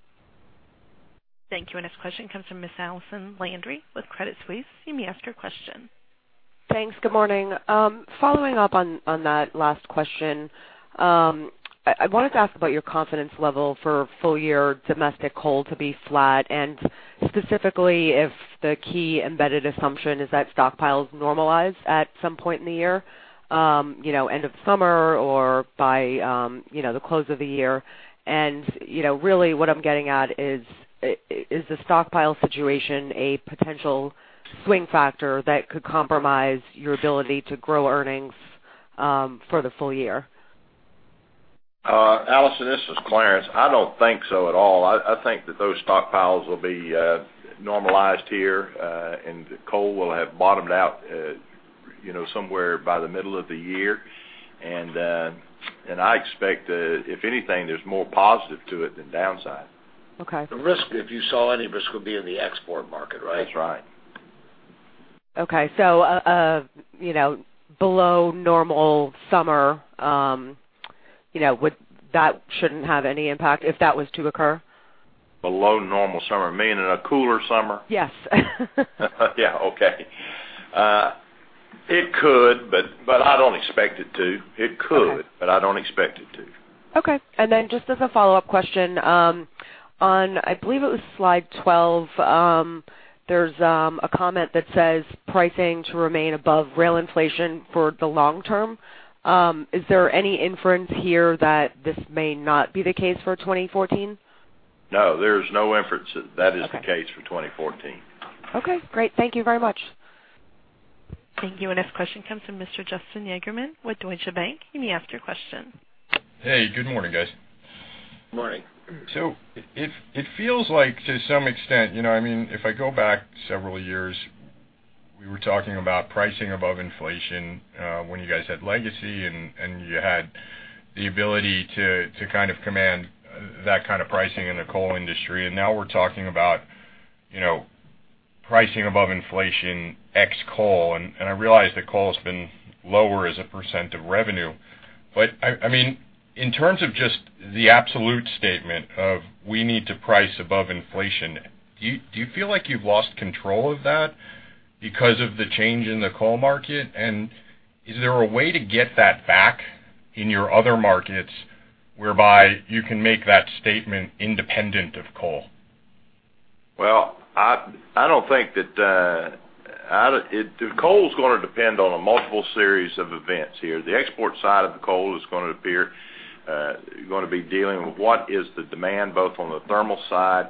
A: Thank you. Our next question comes from Ms. Allison Landry with Credit Suisse. You may ask your question.
L: Thanks. Good morning. Following up on that last question, I wanted to ask about your confidence level for full-year domestic coal to be flat and specifically if the key embedded assumption is that stockpiles normalize at some point in the year, end of summer or by the close of the year. And really, what I'm getting at is, is the stockpile situation a potential swing factor that could compromise your ability to grow earnings for the full year?
D: Allison, this is Clarence. I don't think so at all. I think that those stockpiles will be normalized here, and coal will have bottomed out somewhere by the middle of the year. And I expect, if anything, there's more positive to it than downside.
C: The risk, if you saw any risk, would be in the export market, right?
D: That's right.
L: Okay. So below normal summer, that shouldn't have any impact if that was to occur?
D: Below normal summer? Meaning a cooler summer?
L: Yes.
D: Yeah. Okay. It could, but I don't expect it to. It could, but I don't expect it to.
L: Okay. And then just as a follow-up question, on I believe it was slide 12, there's a comment that says, "Pricing to remain above rail inflation for the long term." Is there any inference here that this may not be the case for 2014?
D: No. There's no inference that that is the case for 2014.
L: Okay. Great. Thank you very much.
A: Thank you. Our next question comes from Mr. Justin Yagerman with Deutsche Bank. You may ask your question.
M: Hey. Good morning, guys.
C: Good morning.
G: So it feels like, to some extent I mean, if I go back several years, we were talking about pricing above inflation when you guys had legacy, and you had the ability to kind of command that kind of pricing in the coal industry. And now we're talking about pricing above inflation ex coal. And I realize that coal has been lower as a percent of revenue. But I mean, in terms of just the absolute statement of, "We need to price above inflation," do you feel like you've lost control of that because of the change in the coal market? And is there a way to get that back in your other markets whereby you can make that statement independent of coal?
D: Well, I don't think that coal's going to depend on a multiple series of events here. The export side of the coal is going to appear going to be dealing with what is the demand both on the thermal side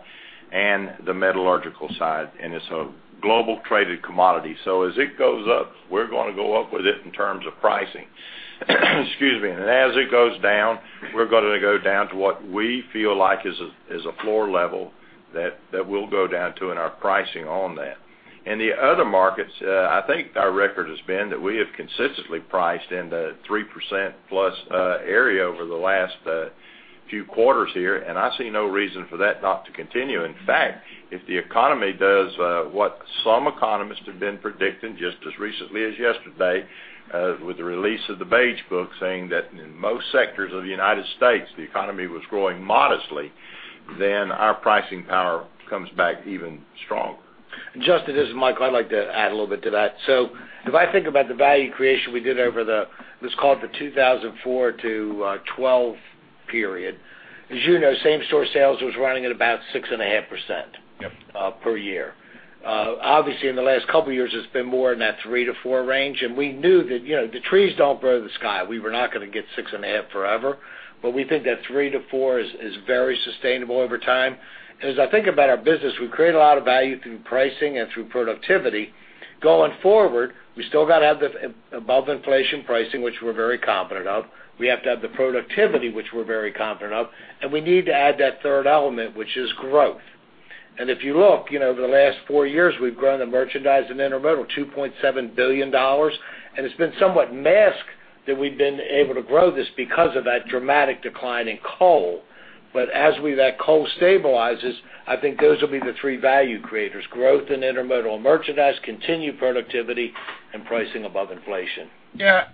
D: and the metallurgical side. And it's a global-traded commodity. So as it goes up, we're going to go up with it in terms of pricing. Excuse me. As it goes down, we're going to go down to what we feel like is a floor level that we'll go down to in our pricing on that. In the other markets, I think our record has been that we have consistently priced in the +3% area over the last few quarters here. And I see no reason for that not to continue. In fact, if the economy does what some economists have been predicting just as recently as yesterday with the release of the Beige Book saying that in most sectors of the United States, the economy was growing modestly, then our pricing power comes back even stronger.
C: Justin, this is Michael. I'd like to add a little bit to that. So if I think about the value creation we did over the, let's call it, the 2004 to 2012 period. As you know, same-store sales was running at about 6.5% per year. Obviously, in the last couple of years, it's been more in that 3%-4% range. We knew that the trees don't grow to the sky. We were not going to get 6.5% forever. We think that 3%-4% is very sustainable over time. As I think about our business, we've created a lot of value through pricing and through productivity. Going forward, we still got to have the above-inflation pricing, which we're very confident of. We have to have the productivity, which we're very confident of. We need to add that third element, which is growth. If you look, over the last four years, we've grown the merchandise and intermodal $2.7 billion. It's been somewhat masked that we've been able to grow this because of that dramatic decline in coal. But as that coal stabilizes, I think those will be the three value creators: growth and intermodal and merchandise, continued productivity, and pricing above inflation.
M: Yeah.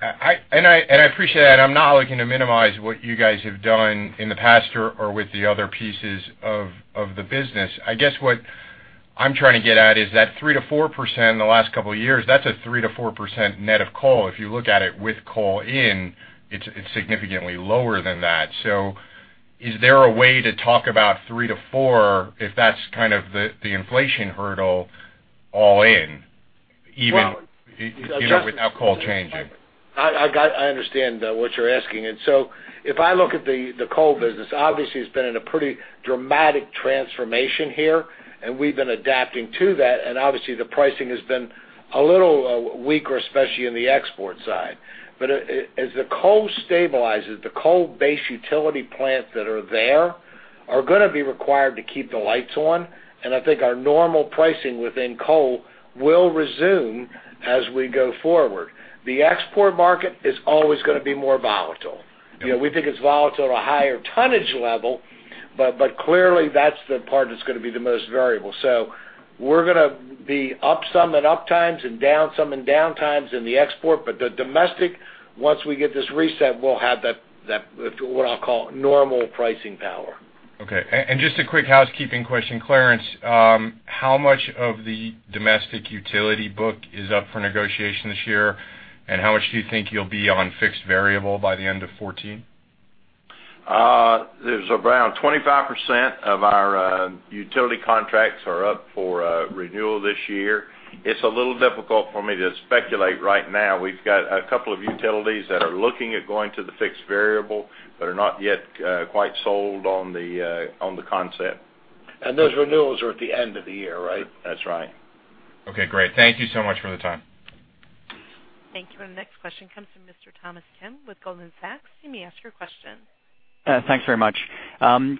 M: And I appreciate that. And I'm not looking to minimize what you guys have done in the past or with the other pieces of the business. I guess what I'm trying to get at is that 3%-4% in the last couple of years, that's a 3%-4% net of coal. If you look at it with coal in, it's significantly lower than that. So is there a way to talk about 3%-4% if that's kind of the inflation hurdle all in, even without coal changing?
C: I understand what you're asking. And so if I look at the coal business, obviously, it's been in a pretty dramatic transformation here. And we've been adapting to that. And obviously, the pricing has been a little weaker, especially in the export side. But as the coal stabilizes, the coal-based utility plants that are there are going to be required to keep the lights on. And I think our normal pricing within coal will resume as we go forward. The export market is always going to be more volatile. We think it's volatile at a higher tonnage level. But clearly, that's the part that's going to be the most variable. So we're going to be up some in uptimes and down some in downtimes in the export. But the domestic, once we get this reset, we'll have what I'll call normal pricing power.
M: Okay. And just a quick housekeeping question, Clarence. How much of the domestic utility book is up for negotiation this year? And how much do you think you'll be on fixed variable by the end of 2014?
D: There's around 25% of our utility contracts are up for renewal this year. It's a little difficult for me to speculate right now. We've got a couple of utilities that are looking at going to the fixed variable but are not yet quite sold on the concept.
M: And those renewals are at the end of the year, right?
D: That's right.
M: Okay. Great. Thank you so much for the time.
A: Thank you. Our next question comes from Mr. Thomas Kim with Goldman Sachs. You may ask your question.
N: Thanks very much.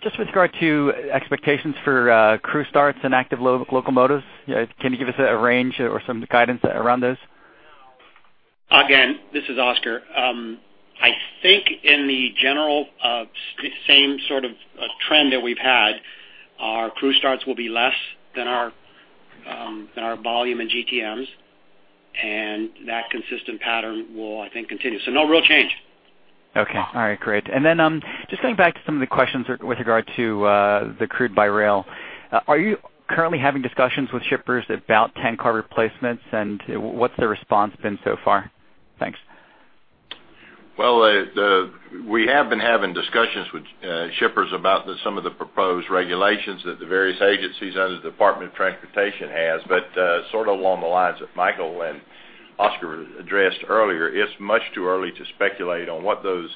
N: Just with regard to expectations for crew starts and active locomotives, can you give us a range or some guidance around those?
E: Again, this is Oscar. I think in the general same sort of trend that we've had, our crew starts will be less than our volume in GTMs. That consistent pattern will, I think, continue. So no real change.
N: Okay. All right. Great. And then just going back to some of the questions with regard to the crude by rail, are you currently having discussions with shippers about tank car replacements? And what's their response been so far? Thanks.
D: Well, we have been having discussions with shippers about some of the proposed regulations that the various agencies under the Department of Transportation has. But sort of along the lines that Michael and Oscar addressed earlier, it's much too early to speculate on what those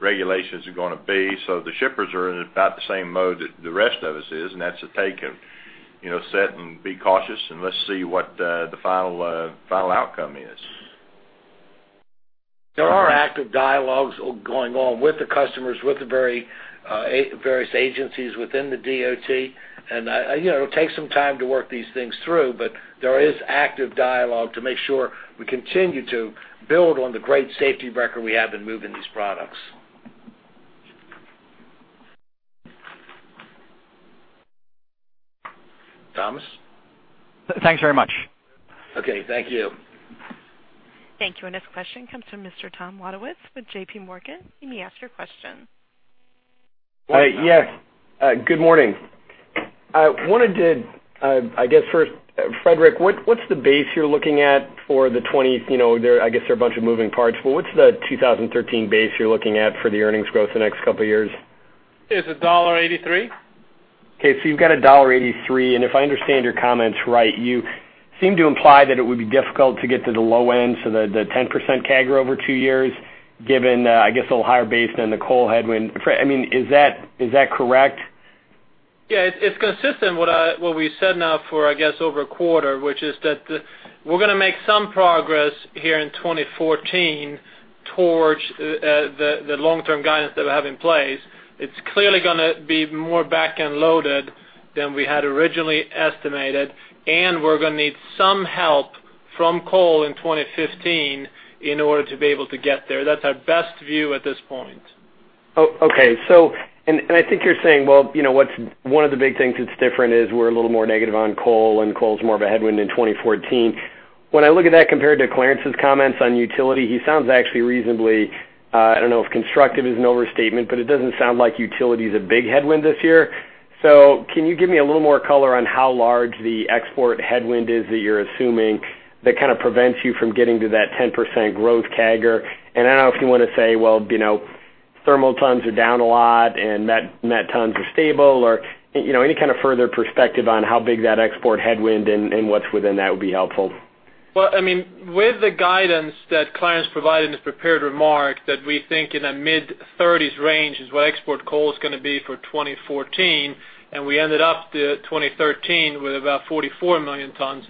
D: regulations are going to be. So the shippers are in about the same mode that the rest of us is. And that's to take a, you know, set and be cautious and let's see what the final outcome is.
C: There are active dialogues going on with the customers, with the various agencies within the DOT. And it'll take some time to work these things through. But there is active dialogue to make sure we continue to build on the great safety record we have in moving these products. Thomas?
N: Thanks very much.
D: Okay. Thank you.
A: Thank you. Our next question comes from Mr. Tom Wadewitz with J.P. Morgan. You may ask your question.
O: Hey. Yes. Good morning. I wanted to, I guess, first Fredrik, what's the base you're looking at for the 2020? I guess there are a bunch of moving parts. But what's the 2013 base you're looking at for the earnings growth the next couple of years?
F: It's $1.83.
O: Okay. So you've got $1.83. If I understand your comments right, you seem to imply that it would be difficult to get to the low end, so the 10% CAGR over two years, given, I guess, a little higher base than the coal headwind. I mean, is that correct?
F: Yeah. It's consistent with what we've said now for, I guess, over a quarter, which is that we're going to make some progress here in 2014 towards the long-term guidance that we have in place. It's clearly going to be more backend-loaded than we had originally estimated. And we're going to need some help from coal in 2015 in order to be able to get there. That's our best view at this point.
O: Okay. And I think you're saying, "Well, one of the big things that's different is we're a little more negative on coal, and coal's more of a headwind in 2014." When I look at that compared to Clarence's comments on utility, he sounds actually reasonably, I don't know if constructive is an overstatement. But it doesn't sound like utility's a big headwind this year. So can you give me a little more color on how large the export headwind is that you're assuming that kind of prevents you from getting to that 10% growth CAGR? And I don't know if you want to say, "Well, thermal tons are down a lot, and net tons are stable," or any kind of further perspective on how big that export headwind and what's within that would be helpful.
F: Well, I mean, with the guidance that Clarence provided in his prepared remark that we think in a mid-30s range is what export coal's going to be for 2014, and we ended up 2013 with about 44 million tons,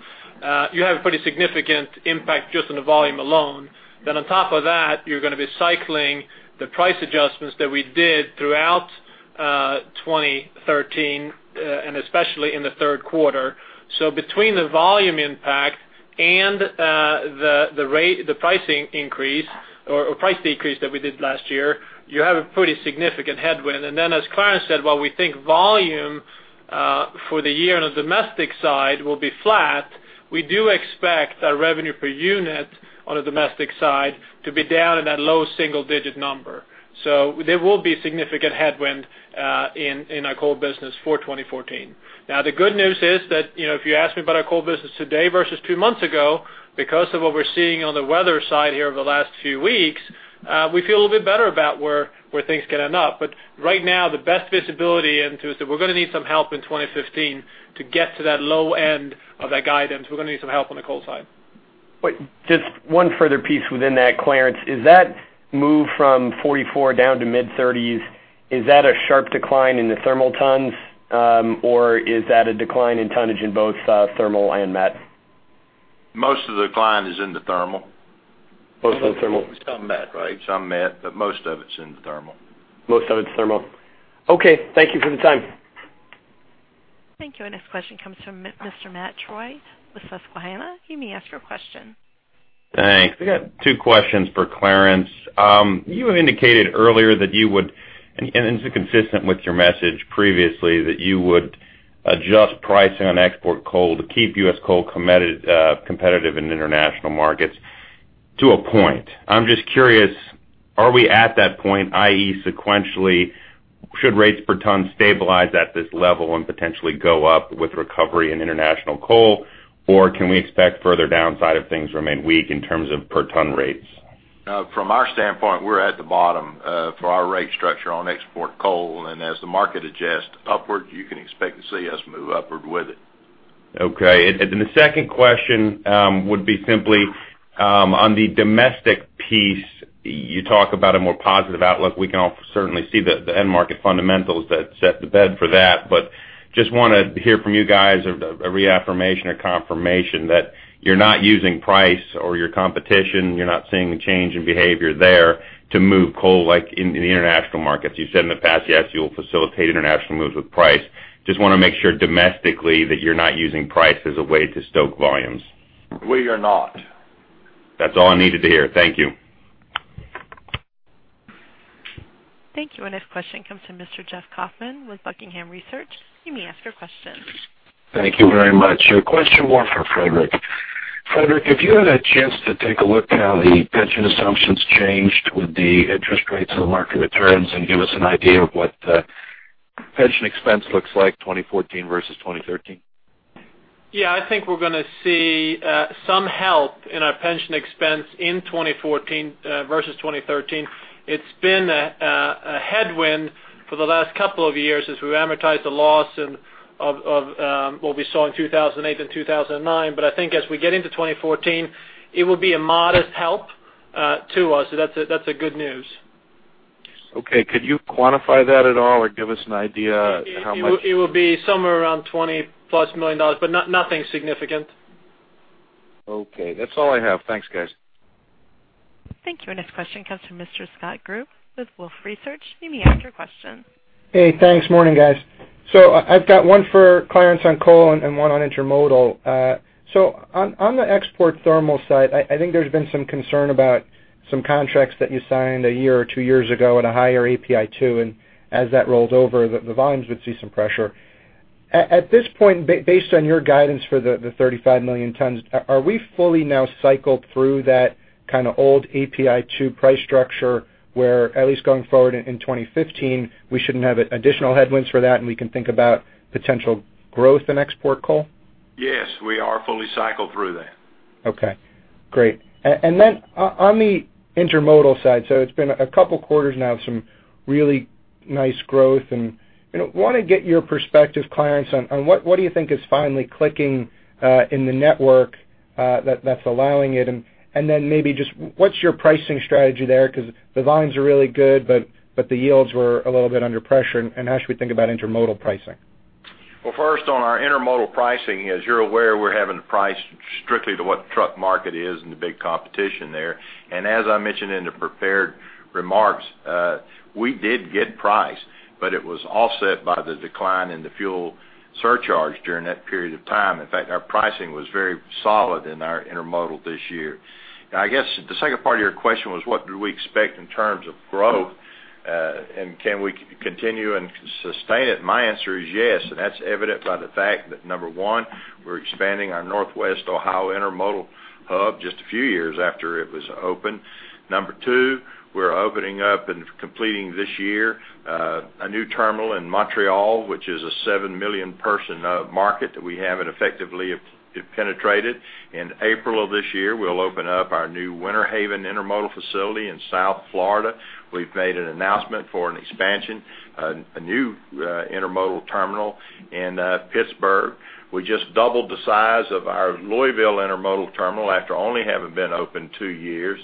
F: you have a pretty significant impact just on the volume alone. Then on top of that, you're going to be cycling the price adjustments that we did throughout 2013 and especially in the 3rd quarter. So between the volume impact and the price increase or price decrease that we did last year, you have a pretty significant headwind. And then as Clarence said, "While we think volume for the year on the domestic side will be flat, we do expect our revenue per unit on the domestic side to be down in that low single-digit number." So there will be significant headwind in our coal business for 2014. Now, the good news is that if you ask me about our coal business today versus two months ago, because of what we're seeing on the weather side here over the last few weeks, we feel a little bit better about where things can end up. But right now, the best visibility into is that we're going to need some help in 2015 to get to that low end of that guidance. We're going to need some help on the coal side.
O: But just one further piece within that, Clarence. Is that move from 44 down to mid-30s, is that a sharp decline in the thermal tons? Or is that a decline in tonnage in both thermal and met?
D: Most of the decline is in the thermal.
O: Most of the thermal. Some met, right? Some met. But most of it's in the thermal. Most of it's thermal. Okay. Thank you for the time.
A: Thank you. Our next question comes from Mr. Matt Troy with Susquehanna. You may ask your question.
P: Thanks. We got two questions for Clarence. You have indicated earlier that you would and this is consistent with your message previously, that you would adjust pricing on export coal to keep U.S. coal competitive in international markets to a point. I'm just curious, are we at that point, i.e., sequentially, should rates per ton stabilize at this level and potentially go up with recovery in international coal? Or can we expect further downside if things remain weak in terms of per-ton rates?
D: From our standpoint, we're at the bottom for our rate structure on export coal. And as the market adjusts upward, you can expect to see us move upward with it.
P: Okay. And then the second question would be simply, on the domestic piece, you talk about a more positive outlook. We can all certainly see the end-market fundamentals that set the stage for that. But just want to hear from you guys a reaffirmation or confirmation that you're not using price or your competition, you're not seeing a change in behavior there to move coal in the international markets. You've said in the past, "Yes. You'll facilitate international moves with price." Just want to make sure domestically that you're not using price as a way to stoke volumes.
D: We are not.
P: That's all I needed to hear. Thank you.
A: Thank you. Our next question comes from Mr. Jeff Kauffman with Buckingham Research. You may ask your question.
Q: Thank you very much. A question more for Fredrik. Fredrik, have you had a chance to take a look at how the pension assumptions changed with the interest rates and the market returns and give us an idea of what the pension expense looks like 2014 versus 2013?
F: Yeah. I think we're going to see some help in our pension expense in 2014 versus 2013. It's been a headwind for the last couple of years as we amortize the loss of what we saw in 2008 and 2009. But I think as we get into 2014, it will be a modest help to us. So that's good news.
Q: Okay. Could you quantify that at all or give us an idea how much?
F: It will be somewhere around $20+ million, but nothing significant.
Q: Okay. That's all I have. Thanks, guys.
A: Thank you. Our next question comes from Mr. Scott Group with Wolfe Research. You may ask your question.
R: Hey. Thanks. Morning, guys. So I've got one for Clarence on coal and one on intermodal. So on the export thermal side, I think there's been some concern about some contracts that you signed a year or two years ago at a higher API 2. And as that rolled over, the volumes would see some pressure. At this point, based on your guidance for the 35 million tons, are we fully now cycled through that kind of old API 2 price structure where, at least going forward in 2015, we shouldn't have additional headwinds for that, and we can think about potential growth in export coal?
D: Yes. We are fully cycled through that.
R: Okay. Great. And then on the intermodal side, so it's been a couple quarters now of some really nice growth. And I want to get your perspective, Clarence, on what do you think is finally clicking in the network that's allowing it? And then maybe just what's your pricing strategy there? Because the volumes are really good, but the yields were a little bit under pressure. And how should we think about intermodal pricing?
D: Well, first, on our intermodal pricing, as you're aware, we're having to price strictly to what the truck market is and the big competition there. And as I mentioned in the prepared remarks, we did get price. But it was offset by the decline in the fuel surcharge during that period of time. In fact, our pricing was very solid in our intermodal this year. I guess the second part of your question was, "What do we expect in terms of growth? And can we continue and sustain it?" My answer is yes. That's evident by the fact that, number 1, we're expanding our Northwest Ohio intermodal hub just a few years after it was open. Number 2, we're opening up and completing this year a new terminal in Montreal, which is a 7 million-person market that we haven't effectively penetrated. In April of this year, we'll open up our new Winter Haven intermodal facility in South Florida. We've made an announcement for an expansion, a new intermodal terminal in Pittsburgh. We just doubled the size of our Louisville intermodal terminal after only having been open two years.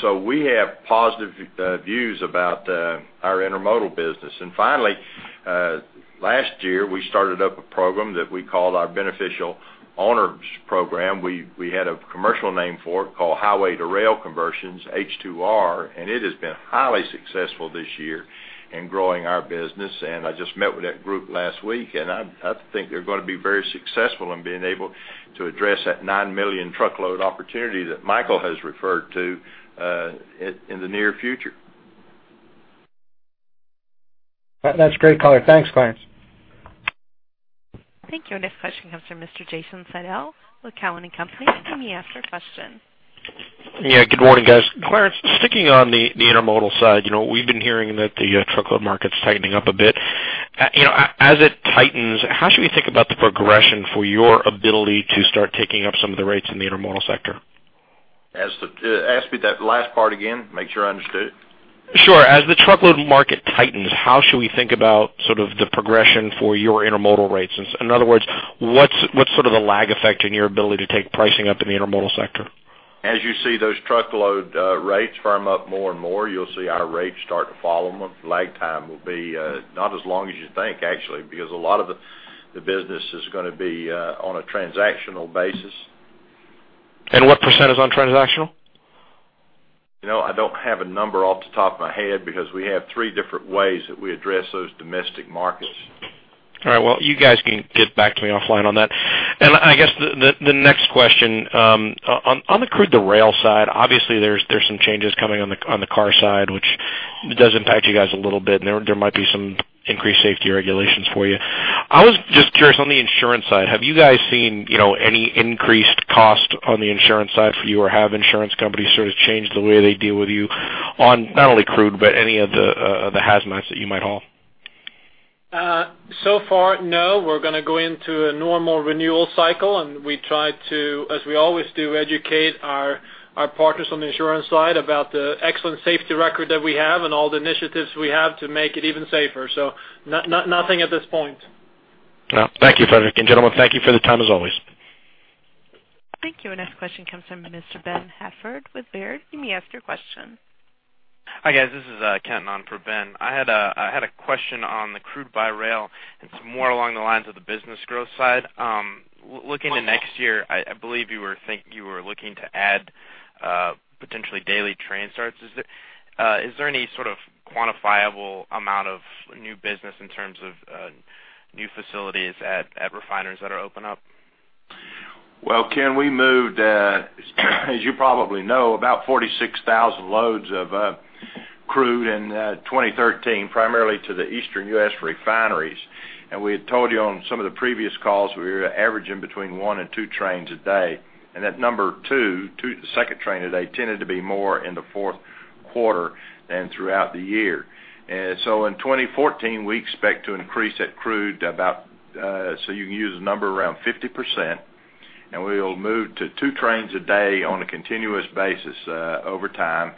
D: So we have positive views about our intermodal business. And finally, last year, we started up a program that we called our Beneficial Owners Program. We had a commercial name for it called Highway to Rail Conversions, H2R. And it has been highly successful this year in growing our business. And I just met with that group last week. And I think they're going to be very successful in being able to address that 9 million truckload opportunity that Michael has referred to in the near future.
R: That's great, Color. Thanks, Clarence.
A: Thank you. Our next question comes from Mr. Jason Seidl with Cowen and Company. You may ask your question.
S: Yeah. Good morning, guys. Clarence, sticking on the intermodal side, we've been hearing that the truckload market's tightening up a bit. As it tightens, how should we think about the progression for your ability to start taking up some of the rates in the intermodal sector?
D: Ask me that last part again. Make sure I understood it.
S: Sure. As the truckload market tightens, how should we think about sort of the progression for your intermodal rates? In other words, what's sort of the lag effect in your ability to take pricing up in the intermodal sector?
D: As you see those truckload rates firm up more and more, you'll see our rates start to follow them. Lag time will be not as long as you think, actually, because a lot of the business is going to be on a transactional basis.
S: And what percent is on transactional?
D: I don't have a number off the top of my head because we have three different ways that we address those domestic markets.
S: All right. Well, you guys can get back to me offline on that. And I guess the next question, on the crude to rail side, obviously, there's some changes coming on the car side, which does impact you guys a little bit. And there might be some increased safety regulations for you. I was just curious, on the insurance side, have you guys seen any increased cost on the insurance side for you, or have insurance companies sort of changed the way they deal with you on not only crude but any of the hazmats that you might haul?
F: So far, no. We're going to go into a normal renewal cycle. And we try to, as we always do, educate our partners on the insurance side about the excellent safety record that we have and all the initiatives we have to make it even safer. So nothing at this point.
S: No. Thank you, Fredrik. And gentlemen, thank you for the time as always.
A: Thank you. Our next question comes from Mr. Ben Hartford with Baird. You may ask your question.
T: Hi, guys. This is Kent on for Ben. I had a question on the crude by rail and some more along the lines of the business growth side. Looking to next year, I believe you were looking to add potentially daily train starts. Is there any sort of quantifiable amount of new business in terms of new facilities at refineries that are open up?
D: Well, can we move, as you probably know, about 46,000 loads of crude in 2013 primarily to the eastern U.S. refineries? And we had told you on some of the previous calls, we were averaging between 1 and 2 trains a day. And that number 2, the second train a day, tended to be more in the 4th quarter than throughout the year. So in 2014, we expect to increase that crude about so you can use a number around 50%. And we'll move to two trains a day on a continuous basis over time.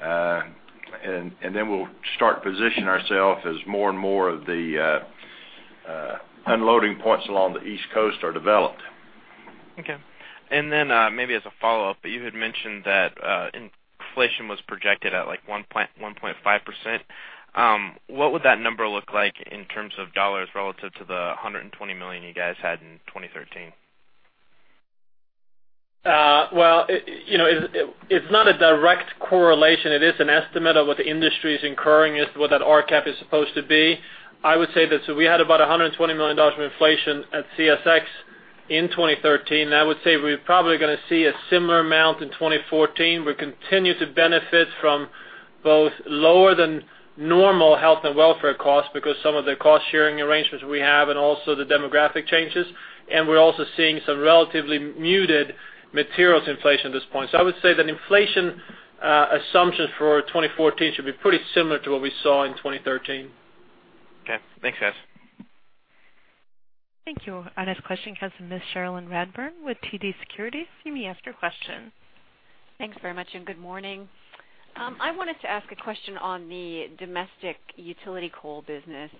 D: And then we'll start positioning ourselves as more and more of the unloading points along the East Coast are developed.
T: Okay. And then maybe as a follow-up, but you had mentioned that inflation was projected at 1.5%. What would that number look like in terms of dollars relative to the $120 million you guys had in 2013?
F: Well, it's not a direct correlation. It is an estimate of what the industry is incurring as to what that RCAF is supposed to be. I would say that so we had about $120 million of inflation at CSX in 2013. And I would say we're probably going to see a similar amount in 2014. We continue to benefit from both lower than normal health and welfare costs because some of the cost-sharing arrangements we have and also the demographic changes. And we're also seeing some relatively muted materials inflation at this point. So I would say that inflation assumptions for 2014 should be pretty similar to what we saw in 2013.
T: Okay. Makes sense.
A: Thank you. Our next question comes from Ms. Cherilyn Radbourne with TD Securities. You may ask your question.
U: Thanks very much. And good morning. I wanted to ask a question on the domestic utility coal business.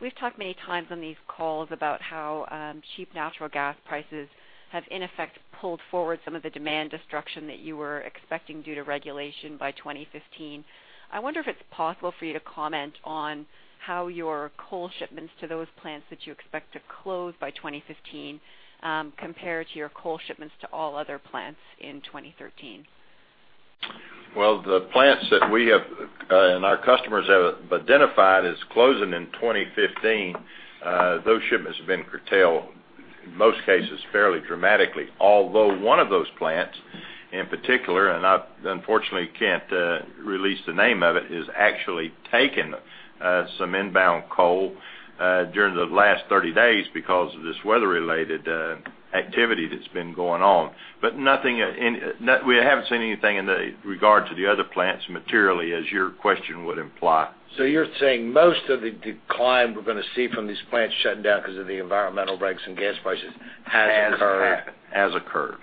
U: We've talked many times on these calls about how cheap natural gas prices have, in effect, pulled forward some of the demand destruction that you were expecting due to regulation by 2015. I wonder if it's possible for you to comment on how your coal shipments to those plants that you expect to close by 2015 compare to your coal shipments to all other plants in 2013?
D: Well, the plants that we have and our customers have identified as closing in 2015, those shipments have been curtailed, in most cases, fairly dramatically. Although one of those plants in particular, and I, unfortunately, can't release the name of it, is actually taking some inbound coal during the last 30 days because of this weather-related activity that's been going on. But we haven't seen anything in regard to the other plants materially, as your question would imply.
C: So you're saying most of the decline we're going to see from these plants shutting down because of the environmental breaks in gas prices has occurred?
D: Has occurred.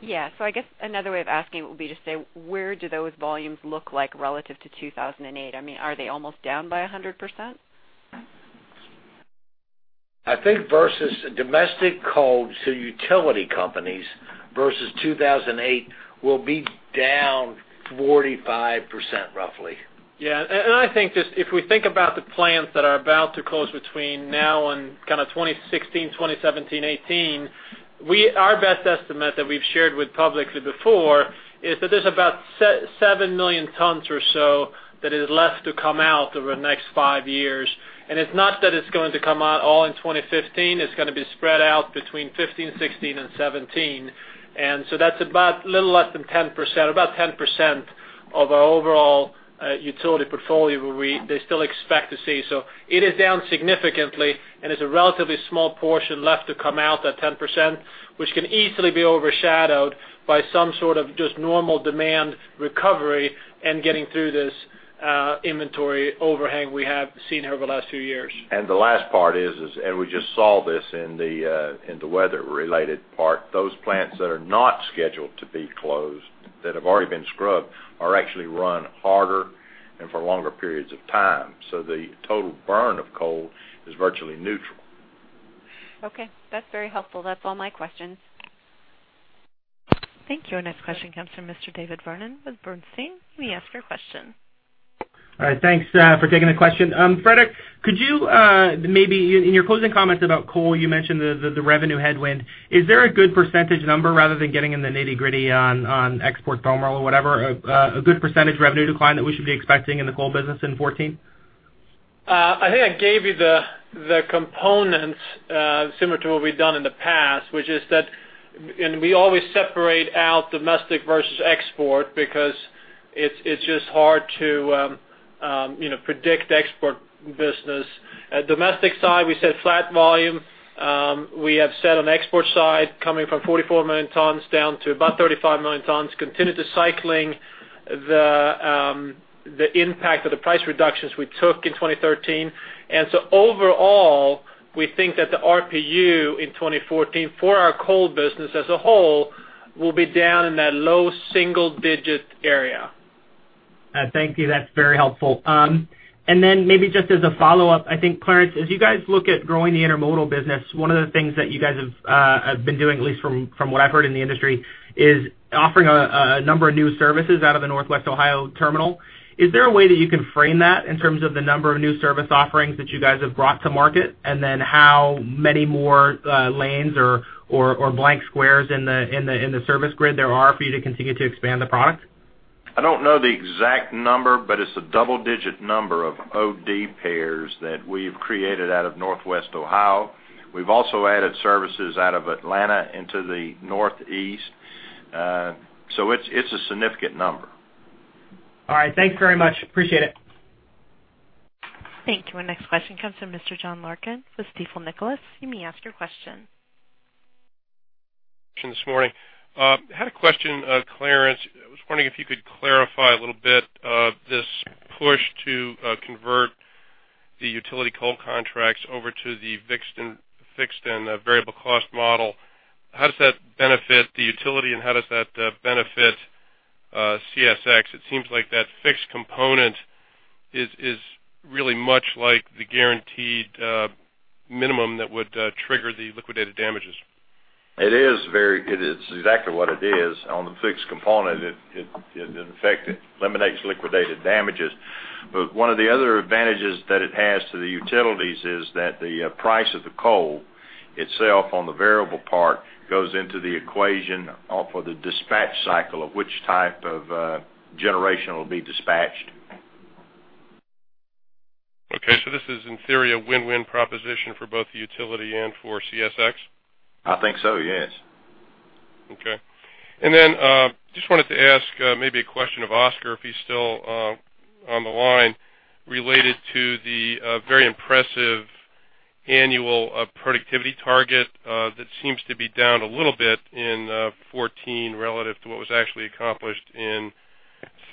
U: Yeah. So I guess another way of asking it would be to say, "Where do those volumes look like relative to 2008?" I mean, are they almost down by 100%?
C: I think domestic coal to utility companies versus 2008 will be down 45% roughly.
F: Yeah. And I think just if we think about the plants that are about to close between now and kind of 2016, 2017, 2018, our best estimate that we've shared publicly before is that there's about 7,000,000 tons or so that is left to come out over the next five years. And it's not that it's going to come out all in 2015. It's going to be spread out between 2015, 2016, and 2017. And so that's about little less than 10% or about 10% of our overall utility portfolio where they still expect to see. So it is down significantly and there's a relatively small portion left to come out, that 10%, which can easily be overshadowed by some sort of just normal demand recovery and getting through this inventory overhang we have seen here over the last few years.
D: And the last part is, and we just saw this in the weather-related part, those plants that are not scheduled to be closed, that have already been scrubbed, are actually run harder and for longer periods of time. So the total burn of coal is virtually neutral.
U: Okay. That's very helpful. That's all my questions.
A: Thank you. Our next question comes from Mr. David Vernon with Bernstein. You may ask your question.
V: All right. Thanks for taking the question. Fredrik, could you maybe in your closing comments about coal, you mentioned the revenue headwind. Is there a good percentage number rather than getting in the nitty-gritty on export thermal or whatever, a good percentage revenue decline that we should be expecting in the coal business in 2014?
F: I think I gave you the components similar to what we've done in the past, which is that and we always separate out domestic versus export because it's just hard to predict export business. Domestic side, we said flat volume. We have said on export side, coming from 44 million tons down to about 35 million tons, continue to cycling the impact of the price reductions we took in 2013. And so overall, we think that the RPU in 2014 for our coal business as a whole will be down in that low single-digit area.
V: Thank you. That's very helpful. And then maybe just as a follow-up, I think, Clarence, as you guys look at growing the intermodal business, one of the things that you guys have been doing, at least from what I've heard in the industry, is offering a number of new services out of the Northwest Ohio terminal. Is there a way that you can frame that in terms of the number of new service offerings that you guys have brought to market and then how many more lanes or blank squares in the service grid there are for you to continue to expand the product?
D: I don't know the exact number. But it's a double-digit number of OD pairs that we've created out of Northwest Ohio. We've also added services out of Atlanta into the Northeast. So it's a significant number.
V: All right. Thanks very much. Appreciate it.
A: Thank you. Our next question comes from Mr. John Larkin with Stifel Nicolaus. You may ask your question.
W: This morning I had a question, Clarence. I was wondering if you could clarify a little bit this push to convert the utility coal contracts over to the fixed and variable cost model. How does that benefit the utility? And how does that benefit CSX? It seems like that fixed component is really much like the guaranteed minimum that would trigger the liquidated damages.
D: It is very it's exactly what it is. On the fixed component, it, in effect, eliminates liquidated damages. But one of the other advantages that it has to the utilities is that the price of the coal itself on the variable part goes into the equation for the dispatch cycle of which type of generation will be dispatched.
W: Okay. So this is, in theory, a win-win proposition for both the utility and for CSX?
D: I think so. Yes.
W: Okay. And then just wanted to ask maybe a question of Oscar, if he's still on the line, related to the very impressive annual productivity target that seems to be down a little bit in 2014 relative to what was actually accomplished in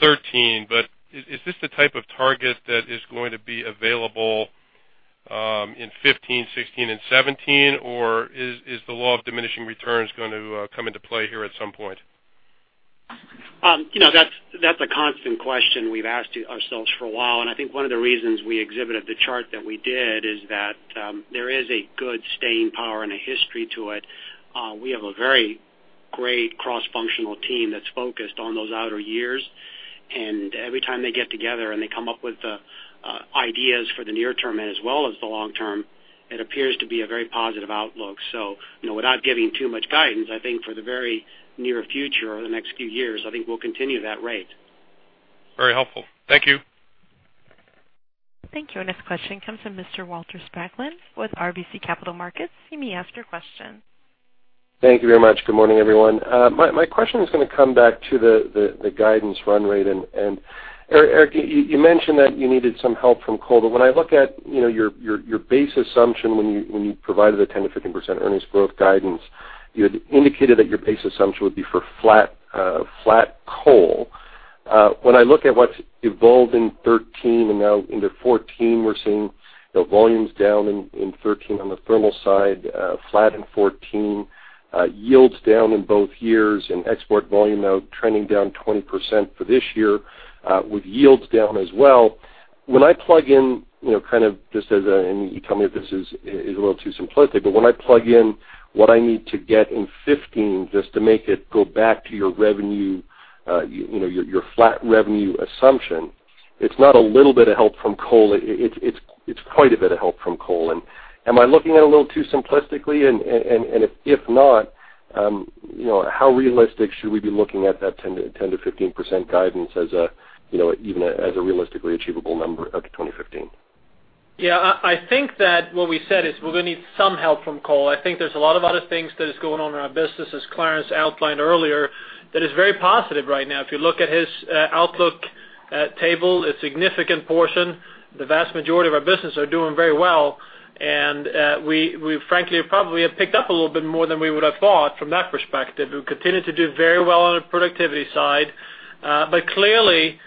W: 2013. But is this the type of target that is going to be available in 2015, 2016, and 2017? Or is the law of diminishing returns going to come into play here at some point?
E: That's a constant question we've asked ourselves for a while. And I think one of the reasons we exhibited the chart that we did is that there is a good staying power and a history to it. We have a very great cross-functional team that's focused on those outer years. And every time they get together and they come up with ideas for the near term as well as the long term, it appears to be a very positive outlook. So without giving too much guidance, I think for the very near future or the next few years, I think we'll continue that rate.
W: Very helpful. Thank you.
A: Thank you. Our next question comes from Mr. Walter Spracklin with RBC Capital Markets. You may ask your question.
X: Thank you very much. Good morning, everyone. My question is going to come back to the guidance run rate. And, Fredrik, you mentioned that you needed some help from coal. But when I look at your base assumption when you provided the 10%-15% earnings growth guidance, you had indicated that your base assumption would be for flat coal. When I look at what's evolved in 2013 and now into 2014, we're seeing volumes down in 2013 on the thermal side, flat in 2014, yields down in both years, and export volume now trending down 20% for this year with yields down as well. When I plug in kind of just as a and you tell me if this is a little too simplistic. But when I plug in what I need to get in 2015 just to make it go back to your revenue, your flat revenue assumption, it's not a little bit of help from coal. It's quite a bit of help from coal. And am I looking at it a little too simplistically? And if not, how realistic should we be looking at that 10%-15% guidance even as a realistically achievable number up to 2015?
F: Yeah. I think that what we said is we're going to need some help from coal. I think there's a lot of other things that is going on in our business, as Clarence outlined earlier, that is very positive right now. If you look at his outlook table, a significant portion, the vast majority of our business are doing very well. And we, frankly, probably have picked up a little bit more than we would have thought from that perspective. We continue to do very well on the productivity side. But clearly,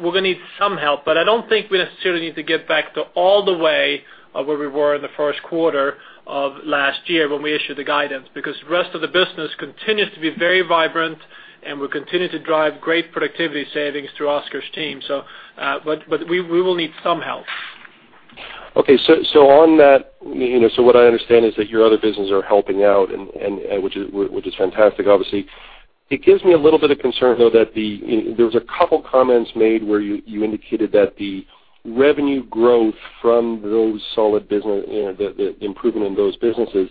F: we're going to need some help. But I don't think we necessarily need to get back to all the way where we were in the 1st quarter of last year when we issued the guidance because the rest of the business continues to be very vibrant and we continue to drive great productivity savings through Oscar's team. But we will need some help.
X: Okay. So on that so what I understand is that your other business are helping out, which is fantastic, obviously. It gives me a little bit of concern, though, that there was a couple of comments made where you indicated that the revenue growth from the improvement in those businesses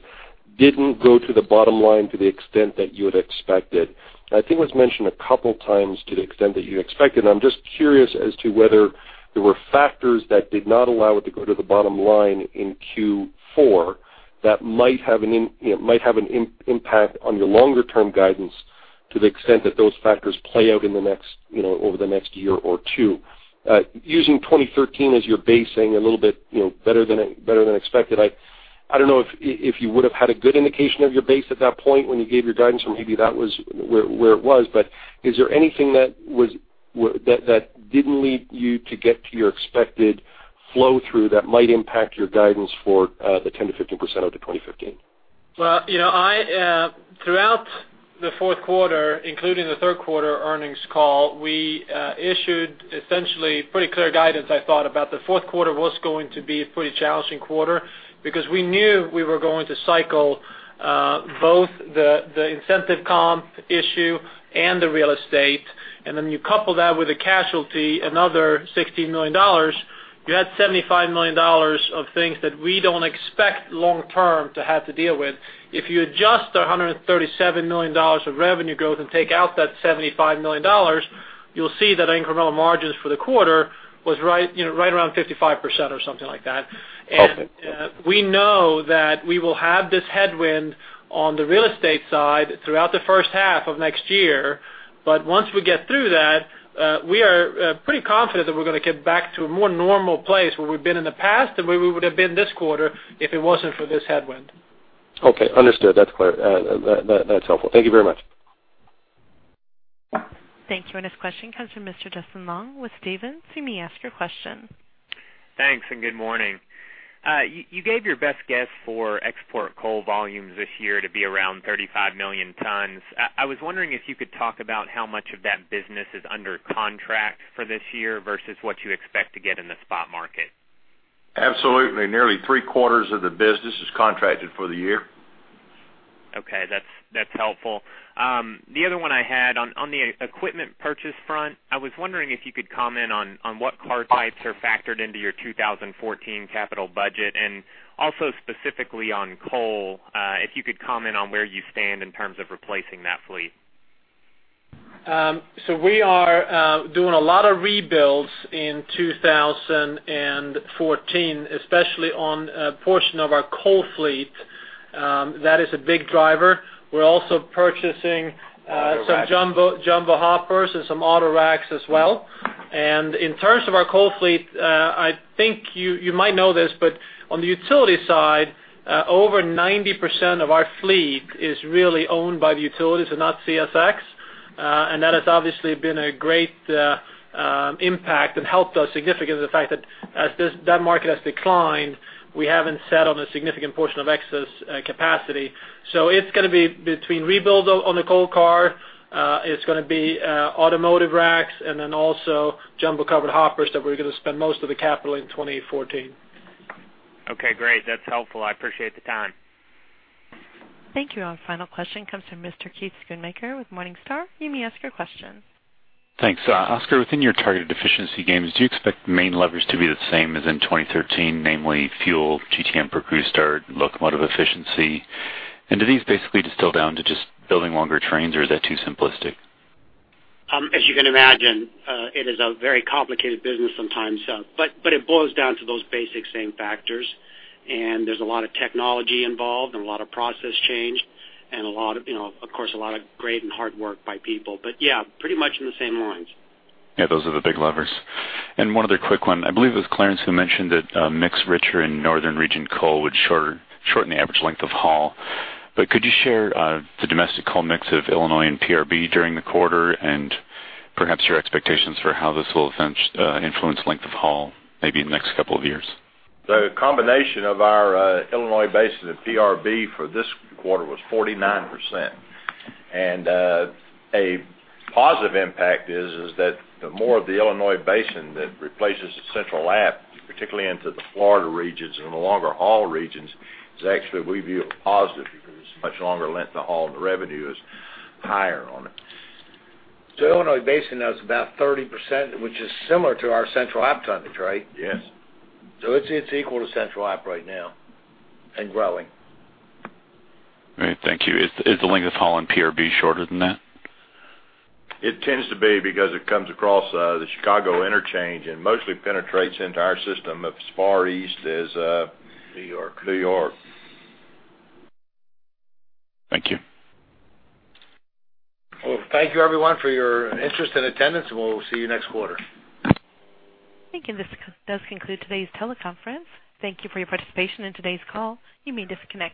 X: didn't go to the bottom line to the extent that you had expected. I think it was mentioned a couple of times to the extent that you had expected. And I'm just curious as to whether there were factors that did not allow it to go to the bottom line in Q4 that might have an impact on your longer-term guidance to the extent that those factors play out over the next year or two. Using 2013 as your base, saying a little bit better than expected, I don't know if you would have had a good indication of your base at that point when you gave your guidance. Or maybe that was where it was. But is there anything that didn't lead you to get to your expected flow-through that might impact your guidance for the 10%-15% up to 2015?
F: Well, throughout the 4th quarter, including the 3rd quarter earnings call, we issued essentially pretty clear guidance, I thought, about the 4th quarter was going to be a pretty challenging quarter because we knew we were going to cycle both the incentive comp issue and the real estate. And then you couple that with a casualty, another $16 million, you had $75 million of things that we don't expect long-term to have to deal with. If you adjust the $137 million of revenue growth and take out that $75 million, you'll see that our incremental margins for the quarter was right around 55% or something like that. We know that we will have this headwind on the real estate side throughout the 1st half of next year. But once we get through that, we are pretty confident that we're going to get back to a more normal place where we've been in the past than where we would have been this quarter if it wasn't for this headwind.
X: Okay. Understood. That's clear. That's helpful. Thank you very much.
A: Thank you. Our next question comes from Mr. Justin Long with Stephens. You may ask your question.
Y: Thanks. Good morning. You gave your best guess for export coal volumes this year to be around 35 million tons. I was wondering if you could talk about how much of that business is under contract for this year versus what you expect to get in the spot market?
D: Absolutely. Nearly three-quarters of the business is contracted for the year.
Y: Okay. That's helpful. The other one I had on the equipment purchase front, I was wondering if you could comment on what car types are factored into your 2014 capital budget and also specifically on coal, if you could comment on where you stand in terms of replacing that fleet.
F: So we are doing a lot of rebuilds in 2014, especially on a portion of our coal fleet. That is a big driver. We're also purchasing some jumbo hoppers and some auto racks as well. And in terms of our coal fleet, I think you might know this. But on the utility side, over 90% of our fleet is really owned by the utilities and not CSX. And that has obviously been a great impact and helped us significantly, the fact that as that market has declined, we haven't sat on a significant portion of excess capacity. So it's going to be between rebuild on the coal car. It's going to be automotive racks and then also jumbo covered hoppers that we're going to spend most of the capital in 2014.
Y: Okay. Great. That's helpful. I appreciate the time.
A: Thank you. Our final question comes from Mr. Keith Schoonmaker with Morningstar. You may ask your question.
Z: Thanks. Oscar, within your targeted efficiency gains, do you expect the main levers to be the same as in 2013, namely fuel, GTM per crew start, locomotive efficiency? And do these basically distill down to just building longer trains? Or is that too simplistic?
E: As you can imagine, it is a very complicated business sometimes. But it boils down to those basic same factors. And there's a lot of technology involved and a lot of process changed and, of course, a lot of great and hard work by people. But yeah, pretty much in the same lines.
Z: Yeah. Those are the big levers. And one other quick one. I believe it was Clarence who mentioned that a mix richer in northern region coal would shorten the average length of haul. But could you share the domestic coal mix of Illinois Basin and PRB during the quarter and perhaps your expectations for how this will eventually influence length of haul maybe in the next couple of years?
D: The combination of our Illinois Basin and PRB for this quarter was 49%. A positive impact is that the more of the Illinois Basin that replaces the Central Appalachia, particularly into the Florida regions and the longer haul regions, is actually, we view it positive because it's a much longer length of haul. And the revenue is higher on it.
E: So Illinois Basin now is about 30%, which is similar to our Central Appalachia tonnage, right?
D: Yes.
E: So it's equal to Central Appalachia right now and growing.
Z: Great. Thank you. Is the length of haul in PRB shorter than that?
D: It tends to be because it comes across the Chicago interchange and mostly penetrates into our system as far east as a...
C: New York....
D: New York.
Z: Thank you.
C: Well, thank you, everyone, for your interest and attendance. And we'll see you next quarter.
A: Thank you. And this does conclude today's teleconference. Thank you for your participation in today's call. You may disconnect.